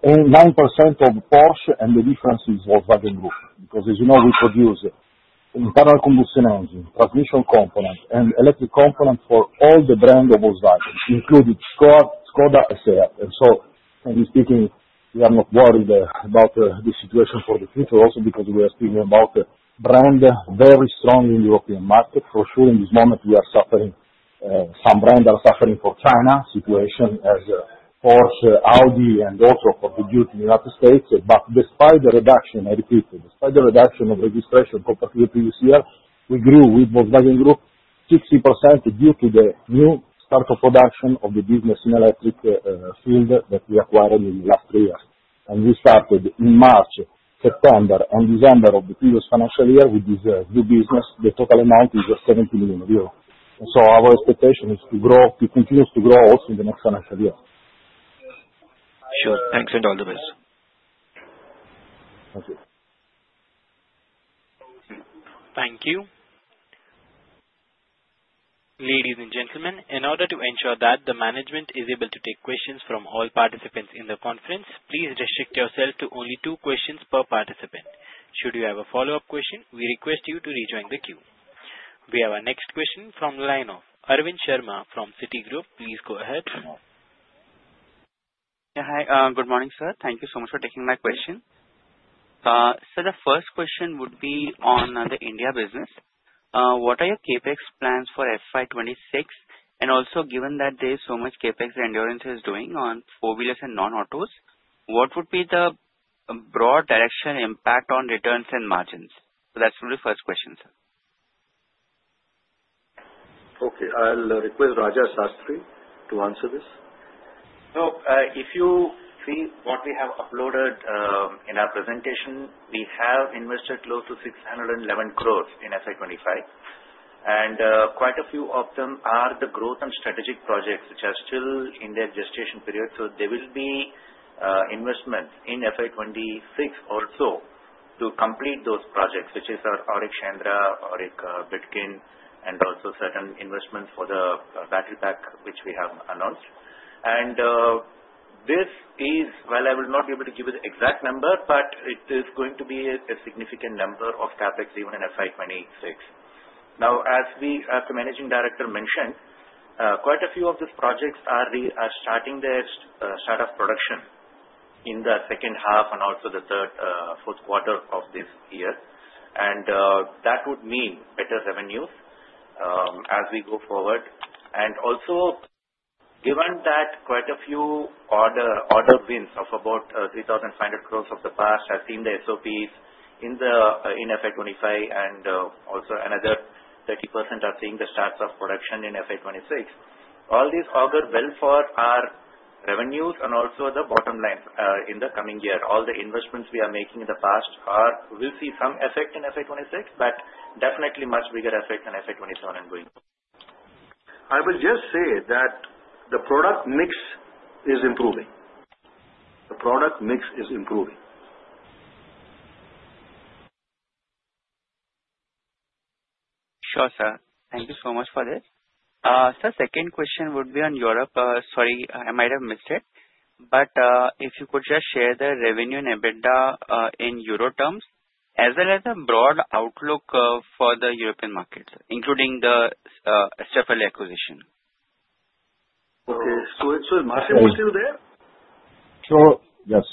9% of Porsche, and the difference is Volkswagen Group. Because as you know, we produce internal combustion engine, transmission components, and electric components for all the brands of Volkswagen, including Skoda, SEAT. We are not worried about the situation for the future also because we are speaking about a brand very strong in the European market. For sure, in this moment, we are suffering, some brands are suffering for China situation as Porsche, Audi, and also for the U.S. in the United States. Despite the reduction, I repeat, despite the reduction of registration compared to the previous year, we grew with Volkswagen Group 60% due to the new start of production of the business in electric field that we acquired in the last three years. We started in March, September, and December of the previous financial year with this new business. The total amount is 70 million euros. Our expectation is to grow, to continue to grow also in the next financial year. Sure. Thanks and all the best. Thank you. Thank you. Ladies and gentlemen, in order to ensure that the management is able to take questions from all participants in the conference, please restrict yourself to only two questions per participant. Should you have a follow-up question, we request you to rejoin the queue. We have our next question from the line of Arvind Sharma from Citigroup. Please go ahead. Yeah. Hi. Good morning, sir. Thank you so much for taking my question. The first question would be on the India business. What are your CapEx plans for FY 2026? Also, given that there is so much CapEx Endurance is doing on four-wheelers and non-autos, what would be the broad direction impact on returns and margins? That is the first question, sir. Okay. I will request Raja Shastri to answer this. If you see what we have uploaded in our presentation, we have invested close to 6.11 billion in FY 2025. Quite a few of them are the growth and strategic projects which are still in their gestation period. There will be investments in FY 2026 also to complete those projects, which is our Auric Chandra, Auric Bitkin, and also certain investments for the battery pack which we have announced. I will not be able to give you the exact number, but it is going to be a significant number of CapEx even in FY 2026. As the Managing Director mentioned, quite a few of these projects are starting their start of production in the second half and also the third, fourth quarter of this year. That would mean better revenues as we go forward. Also, given that quite a few order wins of about 35 billion of the past have seen the SOPs in FY 2025, and another 30% are seeing the start of production in FY 2026, all these augur well for our revenues and also the bottom lines in the coming year. All the investments we are making in the past will see some effect in FY 2026, but definitely much bigger effect in FY 2027 and going forward. I will just say that the product mix is improving. The product mix is improving. Sure, sir. Thank you so much for this. Sir, second question would be on Europe. Sorry, I might have missed it. But if you could just share the revenue and EBITDA in EUR terms, as well as the broad outlook for the European markets, including the Staffele acquisition. Okay. It is a margin issue there? Sure. Yes.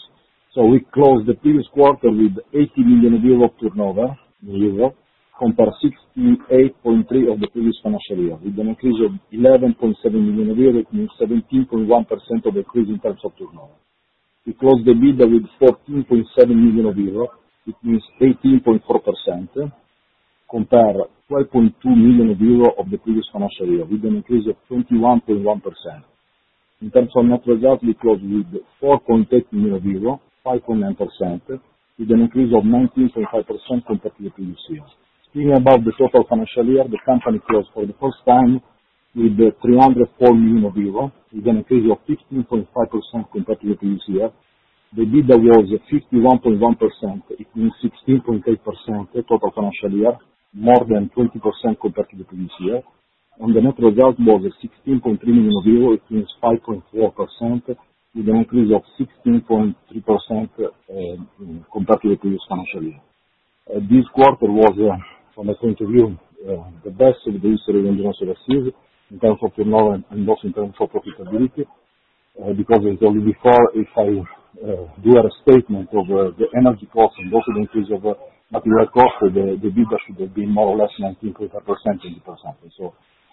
We closed the previous quarter with 80 million euro turnover in Europe, compared to 68.3 million of the previous financial year, with an increase of 11.7 million euro, which means 17.1% of the increase in terms of turnover. We closed the EBITDA with 14.7 million euro, which means 18.4%, compared to 12.2 million euro of the previous financial year, with an increase of 21.1%. In terms of net results, we closed with 4.8 million euros, 5.9%, with an increase of 19.5% compared to the previous year. Speaking about the total financial year, the company closed for the first time with 304 million euro, with an increase of 15.5% compared to the previous year. The EBITDA was 51.1 %, which means 16.8% total financial year, more than 20% compared to the previous year. The net result was 16.3 million euros, which means 5.4%, with an increase of 16.3% compared to the previous financial year. This quarter was, from my point of view, the best of the history of Endurance Overseas in terms of turnover and also in terms of profitability. Because as I told you before, if I do a statement of the energy costs and also the increase of material costs, the EBITDA should have been more or less 19.5%-20%.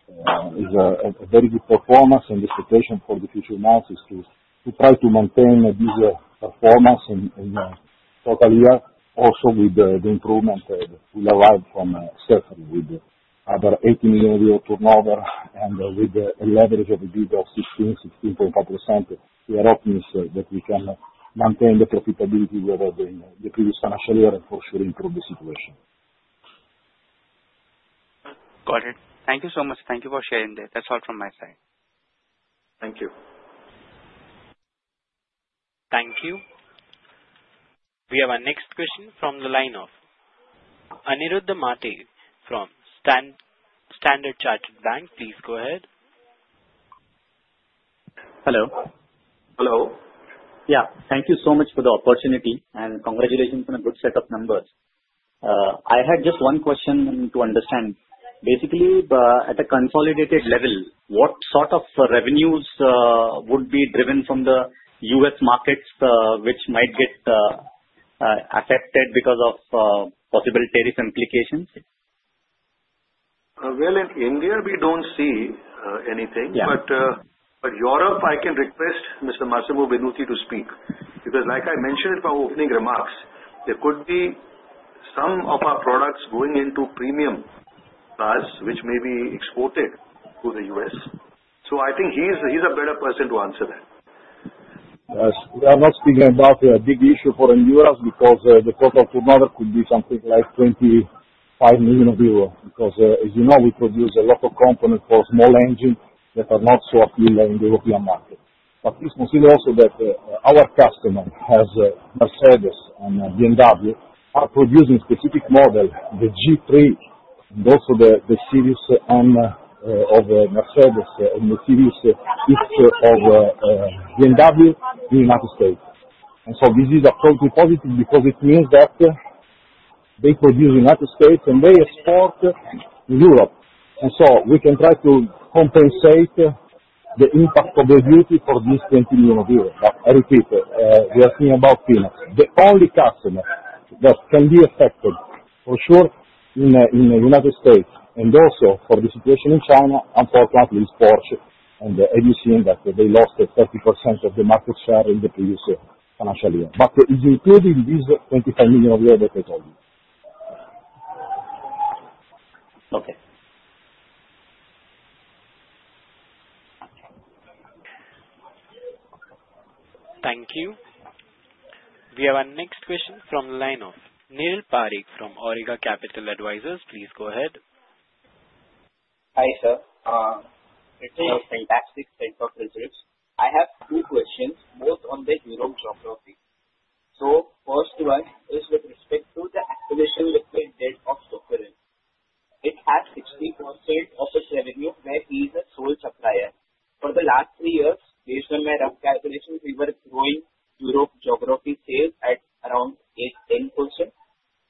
It is a very good performance, and the expectation for the future months is to try to maintain this performance in the total year, also with the improvement we arrived from Staffele with about 80 million euro turnover and with a leverage of EBITDA of 16%-16.5%. We are optimistic that we can maintain the profitability we had in the previous financial year and for sure improve the situation. Got it. Thank you so much. Thank you for sharing that. That is all from my side. Thank you. Thank you. We have our next question from the line of Aniruddha Matej from Standard Chartered Bank. Please go ahead. Hello. Hello. Yeah. Thank you so much for the opportunity, and congratulations on a good set of numbers. I had just one question to understand. Basically, at a consolidated level, what sort of revenues would be driven from the U.S. markets which might get affected because of possible tariff implications? In India, we do not see anything. In Europe, I can request Mr. Massimo Venuti to speak because, like I mentioned in my opening remarks, there could be some of our products going into premium class which may be exported to the U.S. I think he is a better person to answer that. Yes. We are not speaking about a big issue for Endurance because the total turnover could be something like 25 million euros because, as you know, we produce a lot of components for small engines that are not so appealing in the European market. Please consider also that our customers, as Mercedes and BMW, are producing specific models, the G3 and also the series M of Mercedes and the series X of BMW in the United States. This is absolutely positive because it means that they produce in the United States and they export in Europe. We can try to compensate the impact of the duty for these 20 million euros. I repeat, we are thinking about Phoenix. The only customer that can be affected for sure in the United States and also for the situation in China, unfortunately, is Porsche. As you have seen, they lost 30% of the market share in the previous financial year. It is including these EUR 25 million that I told you. \ Okay. Thank you. We have our next question from the line of Niril Parekh from Awriga Capital Advisors. Please go ahead. Hi, sir. It's a fantastic set of results. I have two questions, both on the Europe geography. The first one is with respect to the acquisition liquidated of Sofirin. It has 60% of its revenue where he is a sole supplier. For the last three years, based on my rough calculations, we were growing Europe geography sales at around 8%-10%.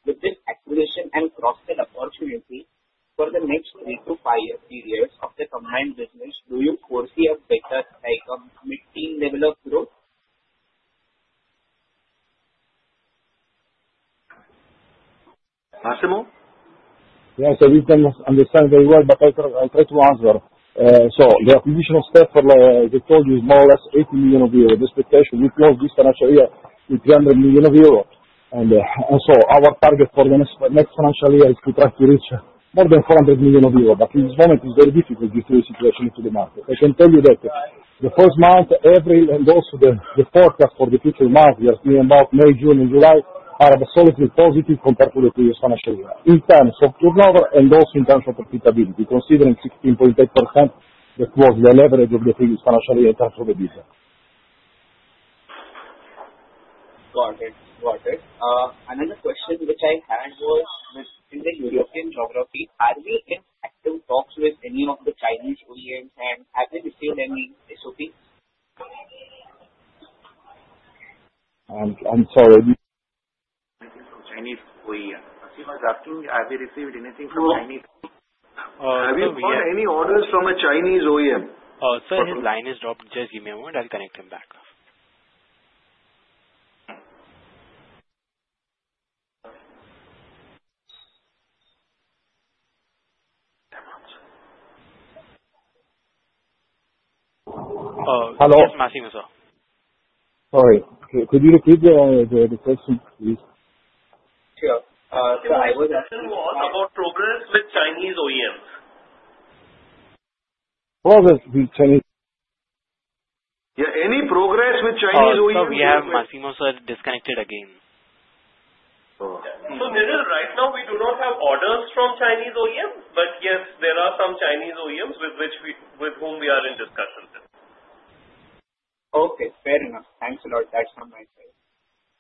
With this acquisition and cross-sell opportunity for the next three to five years of the combined business, do you foresee a better type of mid-teen level of growth? Massimo? Yes, I understand very well, but I'll try to answer. The acquisition of Staffele, as I told you, is more or less 80 million euros. The expectation is we close this financial year with 300 million euros. Our target for the next financial year is to try to reach more than EUR 400 million. In this moment, it's very difficult due to the situation of the market. I can tell you that the first month, April, and also the forecast for the future month, we are thinking about May, June, and July, are absolutely positive compared to the previous financial year, in terms of turnover and also in terms of profitability, considering 16.8% that was the leverage of the previous financial year in terms of the business. Got it. Got it. Another question which I had was, within the European geography, are we in active talks with any of the Chinese OEMs, and have we received any SOPs? I'm sorry. Anything from Chinese OEM? He was asking, have we received anything from Chinese OEM? Have you got any orders from a Chinese OEM? Oh, sir, his line is dropped. Just give me a moment. I'll connect him back. Hello. Yes, Massimo, sir. Sorry. Could you repeat the question, please? Sure. I was asking you about progress with Chinese OEMs. Progress with Chinese? Yeah. Any progress with Chinese OEMs? Sorry, Massimo sir, disconnected again. So Niril, right now, we do not have orders from Chinese OEMs, but yes, there are some Chinese OEMs with whom we are in discussions. Okay. Fair enough. Thanks a lot. That's from my side.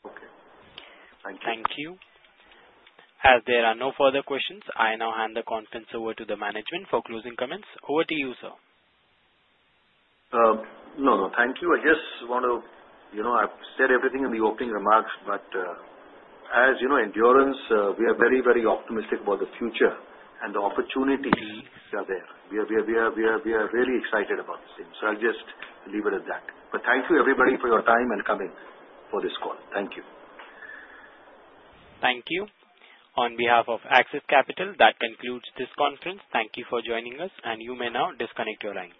Okay. Thank you. Thank you. As there are no further questions, I now hand the conference over to the management for closing comments. Over to you, sir. No, no. Thank you. I just want to, I've said everything in the opening remarks, but as Endurance, we are very, very optimistic about the future, and the opportunities are there. We are really excited about this thing. I'll just leave it at that. Thank you, everybody, for your time and coming for this call. Thank you. Thank you. On behalf of Axis Capital, that concludes this conference. Thank you for joining us, and you may now disconnect your lines.